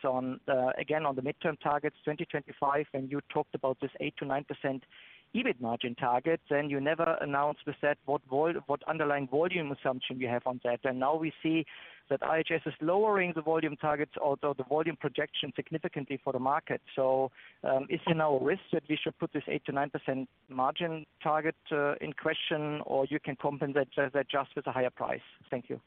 again on the midterm targets, 2025, and you talked about this 8%-9% EBIT margin target, and you never announced with that what underlying volume assumption you have on that. Now we see that IHS is lowering the volume targets, although the volume projection significantly for the market. Is there now a risk that we should put this 8%-9% margin target in question or you can compensate that just with a higher price? Thank you.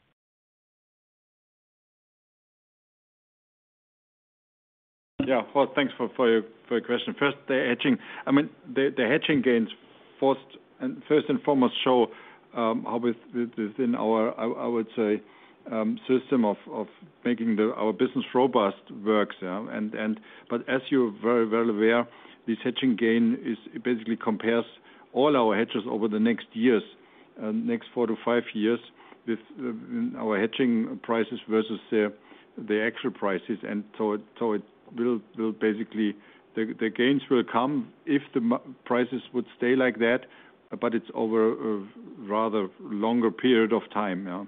Well, thanks for your question. First, the hedging gains first and foremost show how within our system of making our business robust works, yeah. But as you're very well aware, this hedging gain is basically compares all our hedges over the next four to five years with our hedging prices versus the actual prices. The gains will come if the market prices would stay like that, but it's over a rather longer period of time, yeah.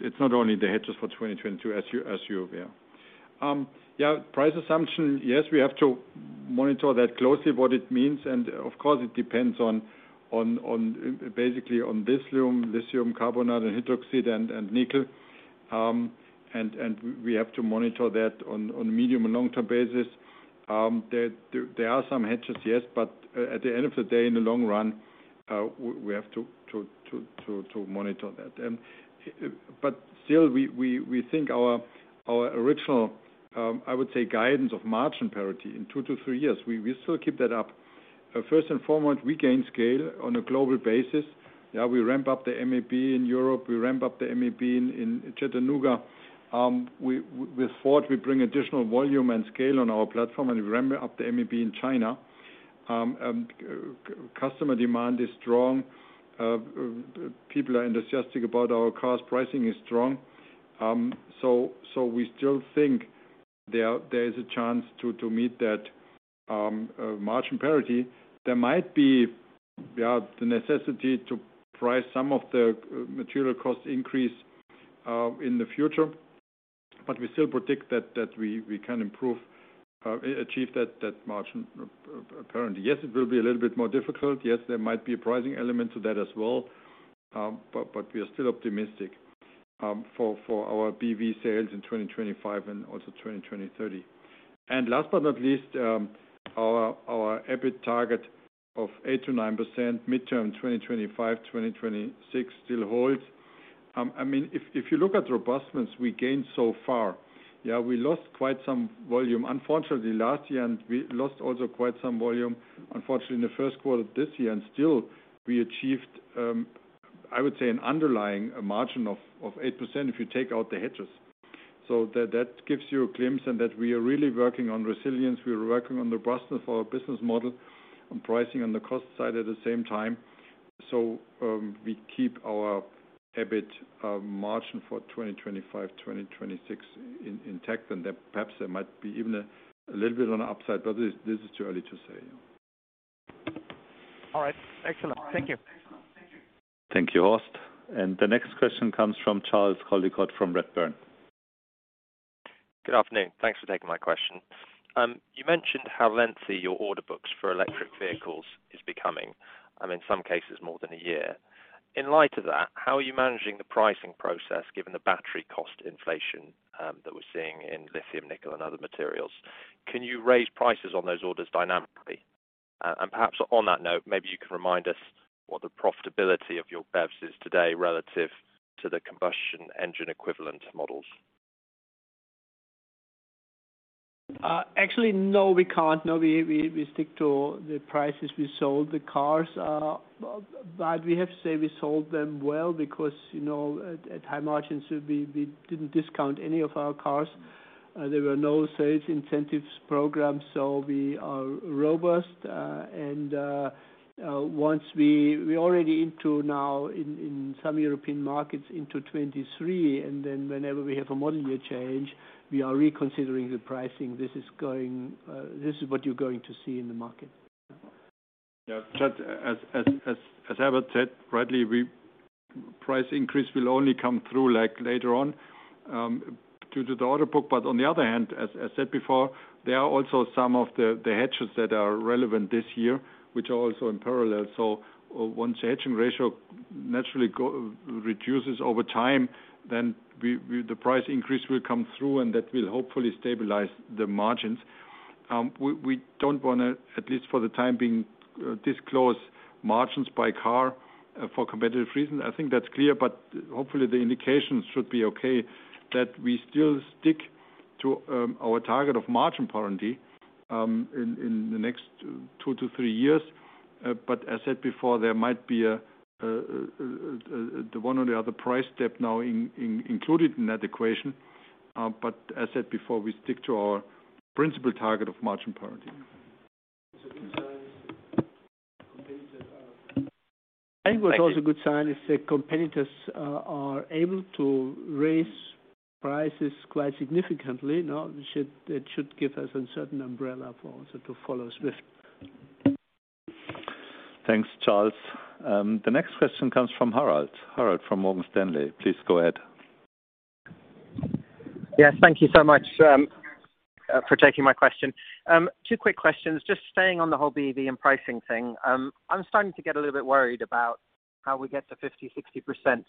It's not only the hedges for 2022, as you're aware. Price assumption, yes, we have to monitor that closely what it means. Of course it depends basically on this lithium carbonate and hydroxide and nickel. We have to monitor that on a medium- and long-term basis. There are some hedges, yes, but at the end of the day, in the long run, we have to monitor that. But still, we think our original guidance of margin parity in two to three years, we still keep that up. First and foremost, we gain scale on a global basis. Yeah, we ramp up the MEB in Europe, we ramp up the MEB in Chattanooga. With Ford, we bring additional volume and scale on our platform and we ramp up the MEB in China. Customer demand is strong. People are enthusiastic about our cars. Pricing is strong. We still think there is a chance to meet that margin parity. There might be the necessity to price some of the material cost increase in the future. We still predict that we can achieve that margin parity. Yes, it will be a little bit more difficult. Yes, there might be a pricing element to that as well. We are still optimistic for our BEV sales in 2025 and also 2030. Last but not least, our EBIT target of 8%-9% midterm, 2025, 2026 still holds. I mean, if you look at robustness we gained so far, yeah, we lost quite some volume, unfortunately, last year, and we lost also quite some volume, unfortunately, in the first quarter of this year. Still we achieved, I would say an underlying margin of 8% if you take out the hedges. That gives you a glimpse and that we are really working on resilience. We are working on robustness of our business model, on pricing, on the cost side at the same time. We keep our EBIT margin for 2025, 2026 intact, and then perhaps there might be even a little bit on the upside, but this is too early to say. All right. Excellent. Thank you. Thank you, Horst. The next question comes from Charles Coldicott from Redburn. Good afternoon. Thanks for taking my question. You mentioned how lengthy your order books for electric vehicles is becoming, in some cases more than a year. In light of that, how are you managing the pricing process given the battery cost inflation that we're seeing in lithium, nickel and other materials? Can you raise prices on those orders dynamically? Perhaps on that note, maybe you can remind us what the profitability of your BEVs is today relative to the combustion engine equivalent models. Actually, no, we can't. No, we stick to the prices we sold the cars. We have to say we sold them well because, you know, at high margins, we didn't discount any of our cars. There were no sales incentives programs, so we are robust. We're already now in some European markets into 2023, and then whenever we have a model year change, we are reconsidering the pricing. This is what you're going to see in the market. Yeah, Charles, as Herbert said, rightly, price increase will only come through like later on, due to the order book. On the other hand, as I said before, there are also some of the hedges that are relevant this year, which are also in parallel. Once the hedging ratio naturally reduces over time, then the price increase will come through, and that will hopefully stabilize the margins. We don't wanna, at least for the time being, disclose margins by car, for competitive reasons. I think that's clear, but hopefully the indications should be okay that we still stick to our target of margin parity in the next two to three years. As said before, there might be the one or the other price step now included in that equation. As said before, we stick to our principal target of margin parity. It's a good sign competitors are. I think what's also a good sign is that competitors are able to raise prices quite significantly, you know, it should give us a certain umbrella for also to follow suit. Thanks, Charles. The next question comes from Harald. Harald from Morgan Stanley, please go ahead. Yes, thank you so much, for taking my question. Two quick questions. Just staying on the whole BEV and pricing thing. I'm starting to get a little bit worried about how we get to 50, 60%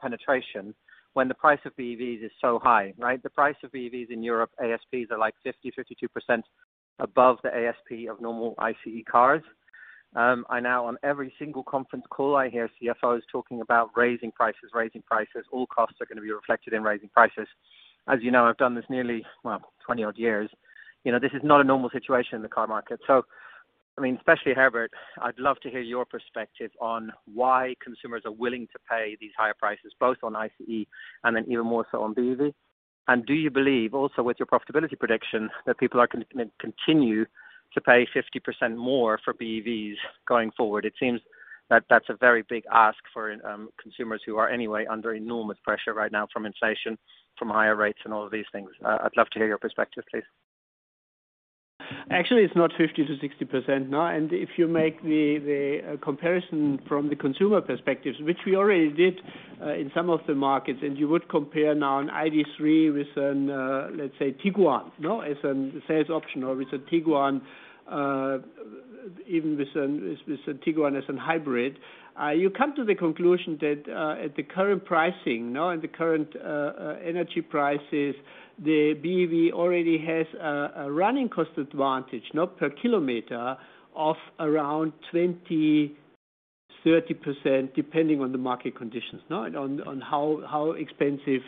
penetration when the price of BEVs is so high, right? The price of BEVs in Europe, ASPs are like 50, 52% above the ASP of normal ICE cars. I know, on every single conference call I hear CFOs talking about raising prices, all costs are gonna be reflected in raising prices. As you know, I've done this nearly, well, 20-odd years. You know, this is not a normal situation in the car market. I mean, especially Herbert, I'd love to hear your perspective on why consumers are willing to pay these higher prices, both on ICE and then even more so on BEV. Do you believe also with your profitability prediction, that people are continue to pay 50% more for BEVs going forward? It seems that that's a very big ask for consumers who are anyway under enormous pressure right now from inflation, from higher rates and all of these things. I'd love to hear your perspective, please. Actually, it's not 50%-60%, no. If you make the comparison from the consumer perspectives, which we already did in some of the markets, and you would compare now an ID.3 with an, uh, let's say, Tiguan, you know, as an alternative to a Tiguan, even with a Tiguan as a hybrid. You come to the conclusion that at the current pricing, you know, at the current energy prices, the BEV already has a running cost advantage, you know, per kilometer of around 20%-30%, depending on the market conditions, you know, and on how expensive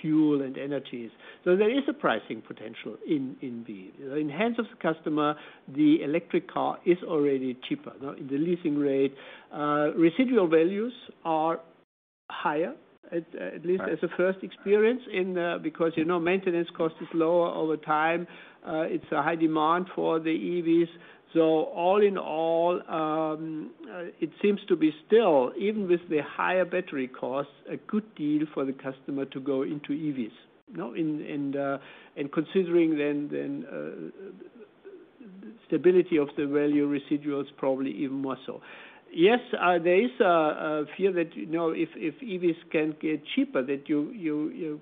fuel and energy is. There is a pricing potential in BEV. In the hands of the customer, the electric car is already cheaper, you know, in the leasing rate. Residual values are higher, at least as a first experience, because, you know, maintenance cost is lower over time. There's high demand for the EVs. All in all, it seems to be still, even with the higher battery costs, a good deal for the customer to go into EVs, you know. Considering the stability of the residual values probably even more so. There is a fear that, you know, if EVs can get cheaper, that you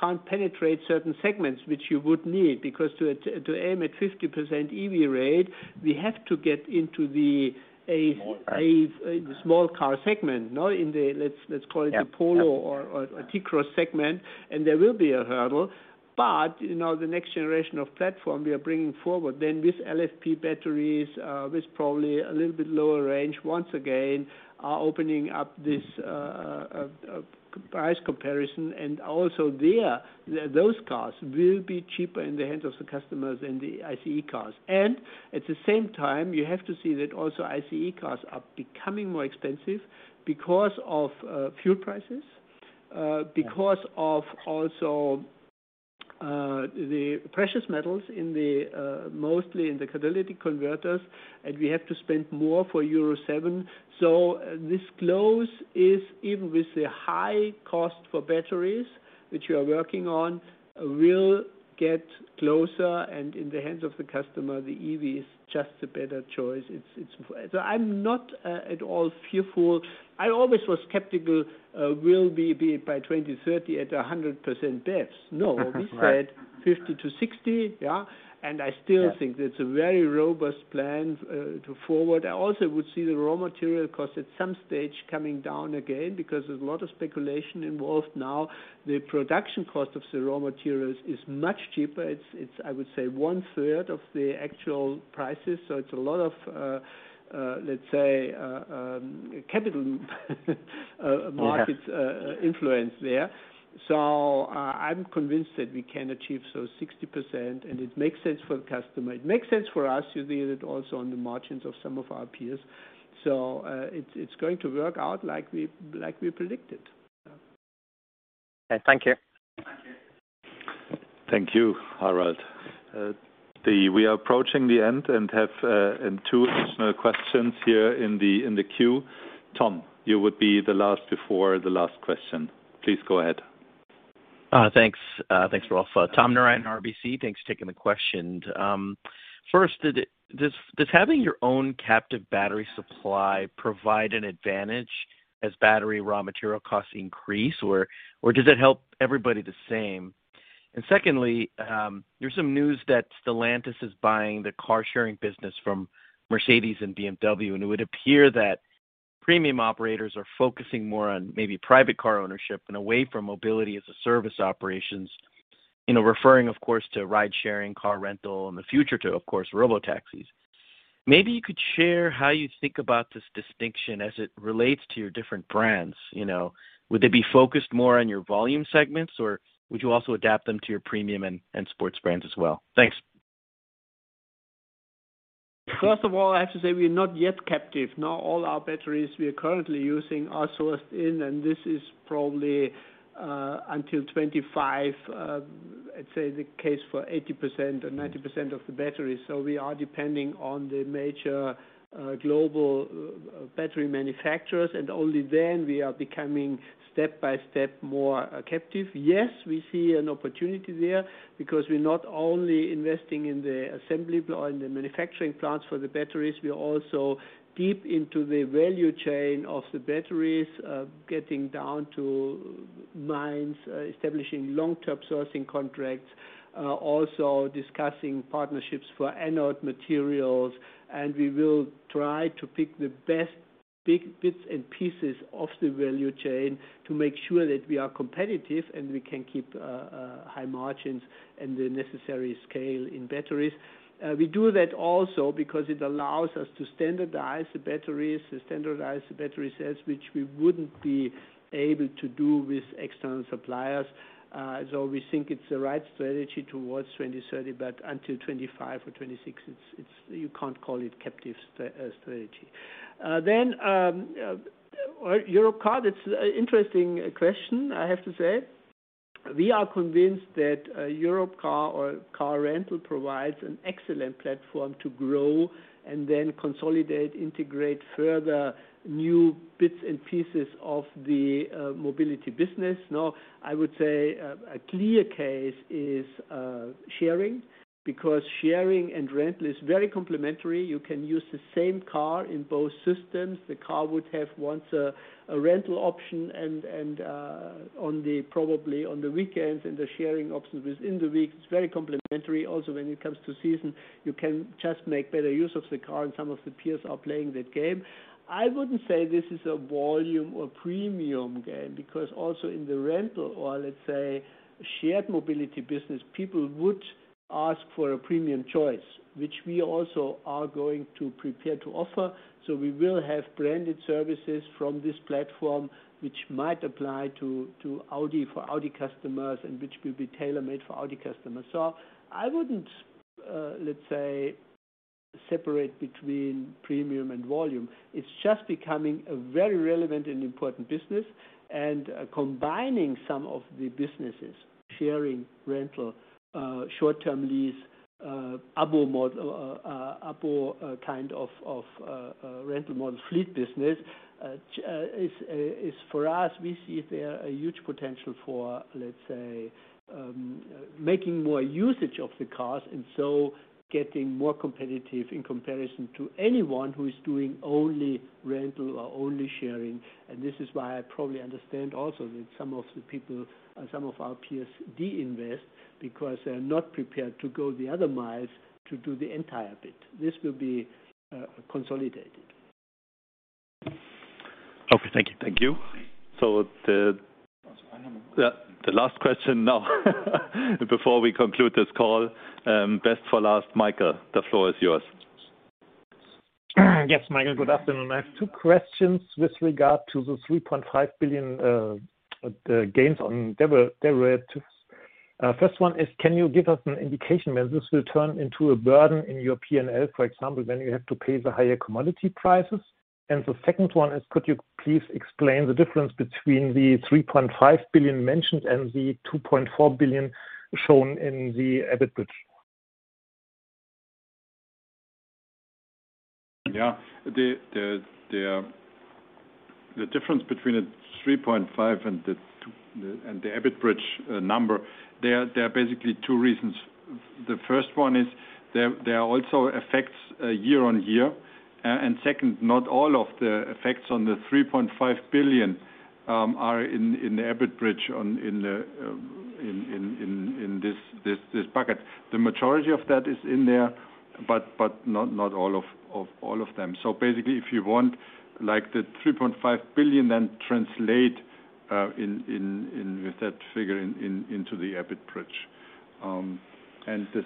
can't penetrate certain segments which you would need, because to aim at 50% EV rate, we have to get into the a. Small cars. Small car segment. Now in the, let's call it the Polo or T-Cross segment, and there will be a hurdle. You know, the next generation of platform we are bringing forward then with LFP batteries, with probably a little bit lower range, once again are opening up this price comparison, and also there, those cars will be cheaper in the hands of the customers than the ICE cars. At the same time, you have to see that also ICE cars are becoming more expensive because of fuel prices, because of also the precious metals in the mostly in the catalytic converters, and we have to spend more for Euro 7. This close is even with the high cost for batteries, which we are working on, will get closer, and in the hands of the customer, the EV is just a better choice. I'm not at all fearful. I always was skeptical, we'll be at 100% BEVs by 2030. No, we said 50%-60%. Yeah. I still think that's a very robust plan to go forward. I also would see the raw material cost at some stage coming down again, because there's a lot of speculation involved now. The production cost of the raw materials is much cheaper. I would say one third of the actual prices. It's a lot of, let's say, capital market influence there. I'm convinced that we can achieve 60%, and it makes sense for the customer. It makes sense for us. You see it also on the margins of some of our peers. It's going to work out like we predicted. Okay. Thank you. Thank you, Harald. We are approaching the end and have two additional questions here in the queue. Tom, you would be the last before the last question. Please go ahead. Thanks. Thanks, Rolf. Tom Ryan, RBC. Thanks for taking the question. First, does having your own captive battery supply provide an advantage as battery raw material costs increase or does it help everybody the same? Secondly, there's some news that Stellantis is buying the car-sharing business from Mercedes-Benz and BMW, and it would appear that premium operators are focusing more on maybe private car ownership and away from mobility as a service operations, you know, referring of course to ride sharing, car rental in the future to, of course, robo taxis. Maybe you could share how you think about this distinction as it relates to your different brands, you know. Would they be focused more on your volume segments, or would you also adapt them to your premium and sports brands as well? Thanks. First of all, I have to say we are not yet captive. Now, all our batteries we are currently using are sourced in, and this is probably until 25, I'd say the case for 80% or 90% of the batteries. We are depending on the major global battery manufacturers, and only then we are becoming step by step more captive. Yes, we see an opportunity there because we're not only investing in the manufacturing plants for the batteries, we are also deep into the value chain of the batteries, getting down to mines, establishing long-term sourcing contracts, also discussing partnerships for anode materials. We will try to pick the best big bits and pieces of the value chain to make sure that we are competitive and we can keep high margins and the necessary scale in batteries. We do that also because it allows us to standardize the batteries and standardize the battery cells, which we wouldn't be able to do with external suppliers. We think it's the right strategy towards 2030, but until 2025 or 2026, you can't call it captive strategy. Europcar, it's interesting question, I have to say. We are convinced that Europcar or car rental provides an excellent platform to grow and then consolidate, integrate further new bits and pieces of the mobility business. Now, I would say a clear case is sharing, because sharing and rental is very complementary. You can use the same car in both systems. The car would have once a rental option and probably on the weekends, and the sharing options within the week. It's very complementary. Also, when it comes to season, you can just make better use of the car, and some of the peers are playing that game. I wouldn't say this is a volume or premium game because also in the rental or let's say shared mobility business, people would ask for a premium choice, which we also are going to prepare to offer. We will have branded services from this platform which might apply to Audi for Audi customers and which will be tailor-made for Audi customers. I wouldn't, let's say, separate between premium and volume. It's just becoming a very relevant and important business, and combining some of the businesses, sharing, rental, short-term lease, ABO kind of rental model fleet business is for us. We see there a huge potential for, let's say, making more usage of the cars, and so getting more competitive in comparison to anyone who is doing only rental or only sharing. This is why I probably understand also that some of the people and some of our peers divest because they're not prepared to go the extra mile to do the entire bit. This will be consolidated. Okay. Thank you. Thank you. Yeah. The last question now before we conclude this call, best for last. Michael, the floor is yours. Yes. Michael, good afternoon. I have two questions with regard to the 3.5 billion, the gains on derivative. First one is can you give us an indication when this will turn into a burden in your P&L, for example, when you have to pay the higher commodity prices? The second one is could you please explain the difference between the 3.5 billion mentioned and the 2.4 billion shown in the EBIT bridge? Yeah. The difference between the 3.5 and the two and the EBIT bridge number, there are basically two reasons. The first one is there are also effects year-on-year. And second, not all of the effects on the 3.5 billion are in the EBIT bridge in this bucket. The majority of that is in there, but not all of them. Basically if you want like the 3.5 billion, then translate in with that figure in into the EBIT bridge. And the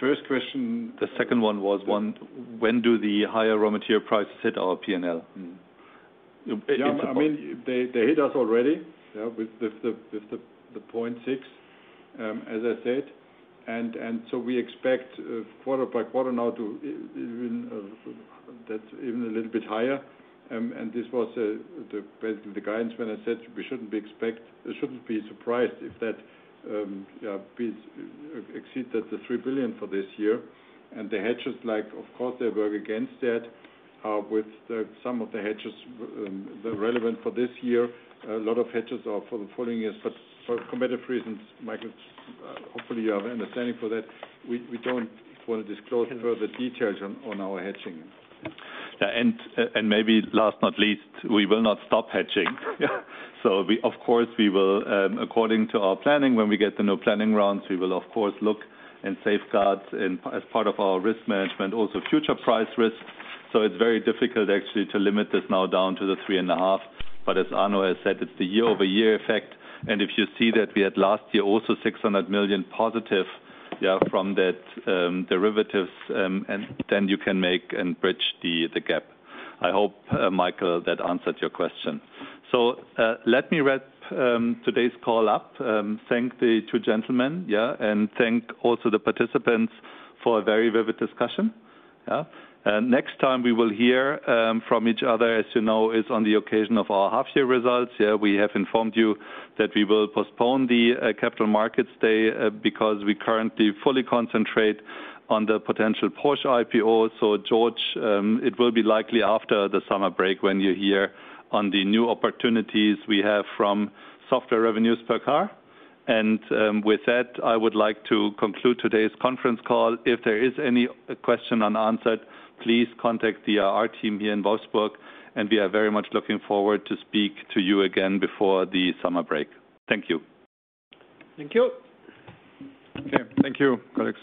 first question. The second one was when do the higher raw material prices hit our P&L? Mm-hmm. It's important. Yeah. I mean, they hit us already, yeah, with 0.6, as I said. We expect quarter by quarter now, that's even a little bit higher. This was basically the guidance when I said we shouldn't be surprised if that EBIT exceeded 3 billion for this year. The hedges, like of course they work against that with some of the hedges, they're relevant for this year. A lot of hedges are for the following years. For competitive reasons, Michael, hopefully you have understanding for that. We don't wanna disclose further details on our hedging. And maybe last but not least, we will not stop hedging. We, of course, will, according to our planning, when we get the new planning rounds, look and safeguard and as part of our risk management, also future price risks. It's very difficult actually to limit this now down to 3.5 billion, but as Arno has said, it's the year-over-year effect. If you see that we had last year also 600 million positive from that, derivatives, and then you can make and bridge the gap. I hope, Michael, that answered your question. Let me wrap today's call up. Thank the two gentlemen and thank also the participants for a very vivid discussion. Next time we will hear from each other, as you know, is on the occasion of our half year results. We have informed you that we will postpone the capital markets day because we currently fully concentrate on the potential Porsche IPO. George, it will be likely after the summer break when you hear on the new opportunities we have from software revenues per car. With that, I would like to conclude today's conference call. If there is any question unanswered, please contact our team here in Wolfsburg, and we are very much looking forward to speak to you again before the summer break. Thank you. Thank you. Okay. Thank you, colleagues.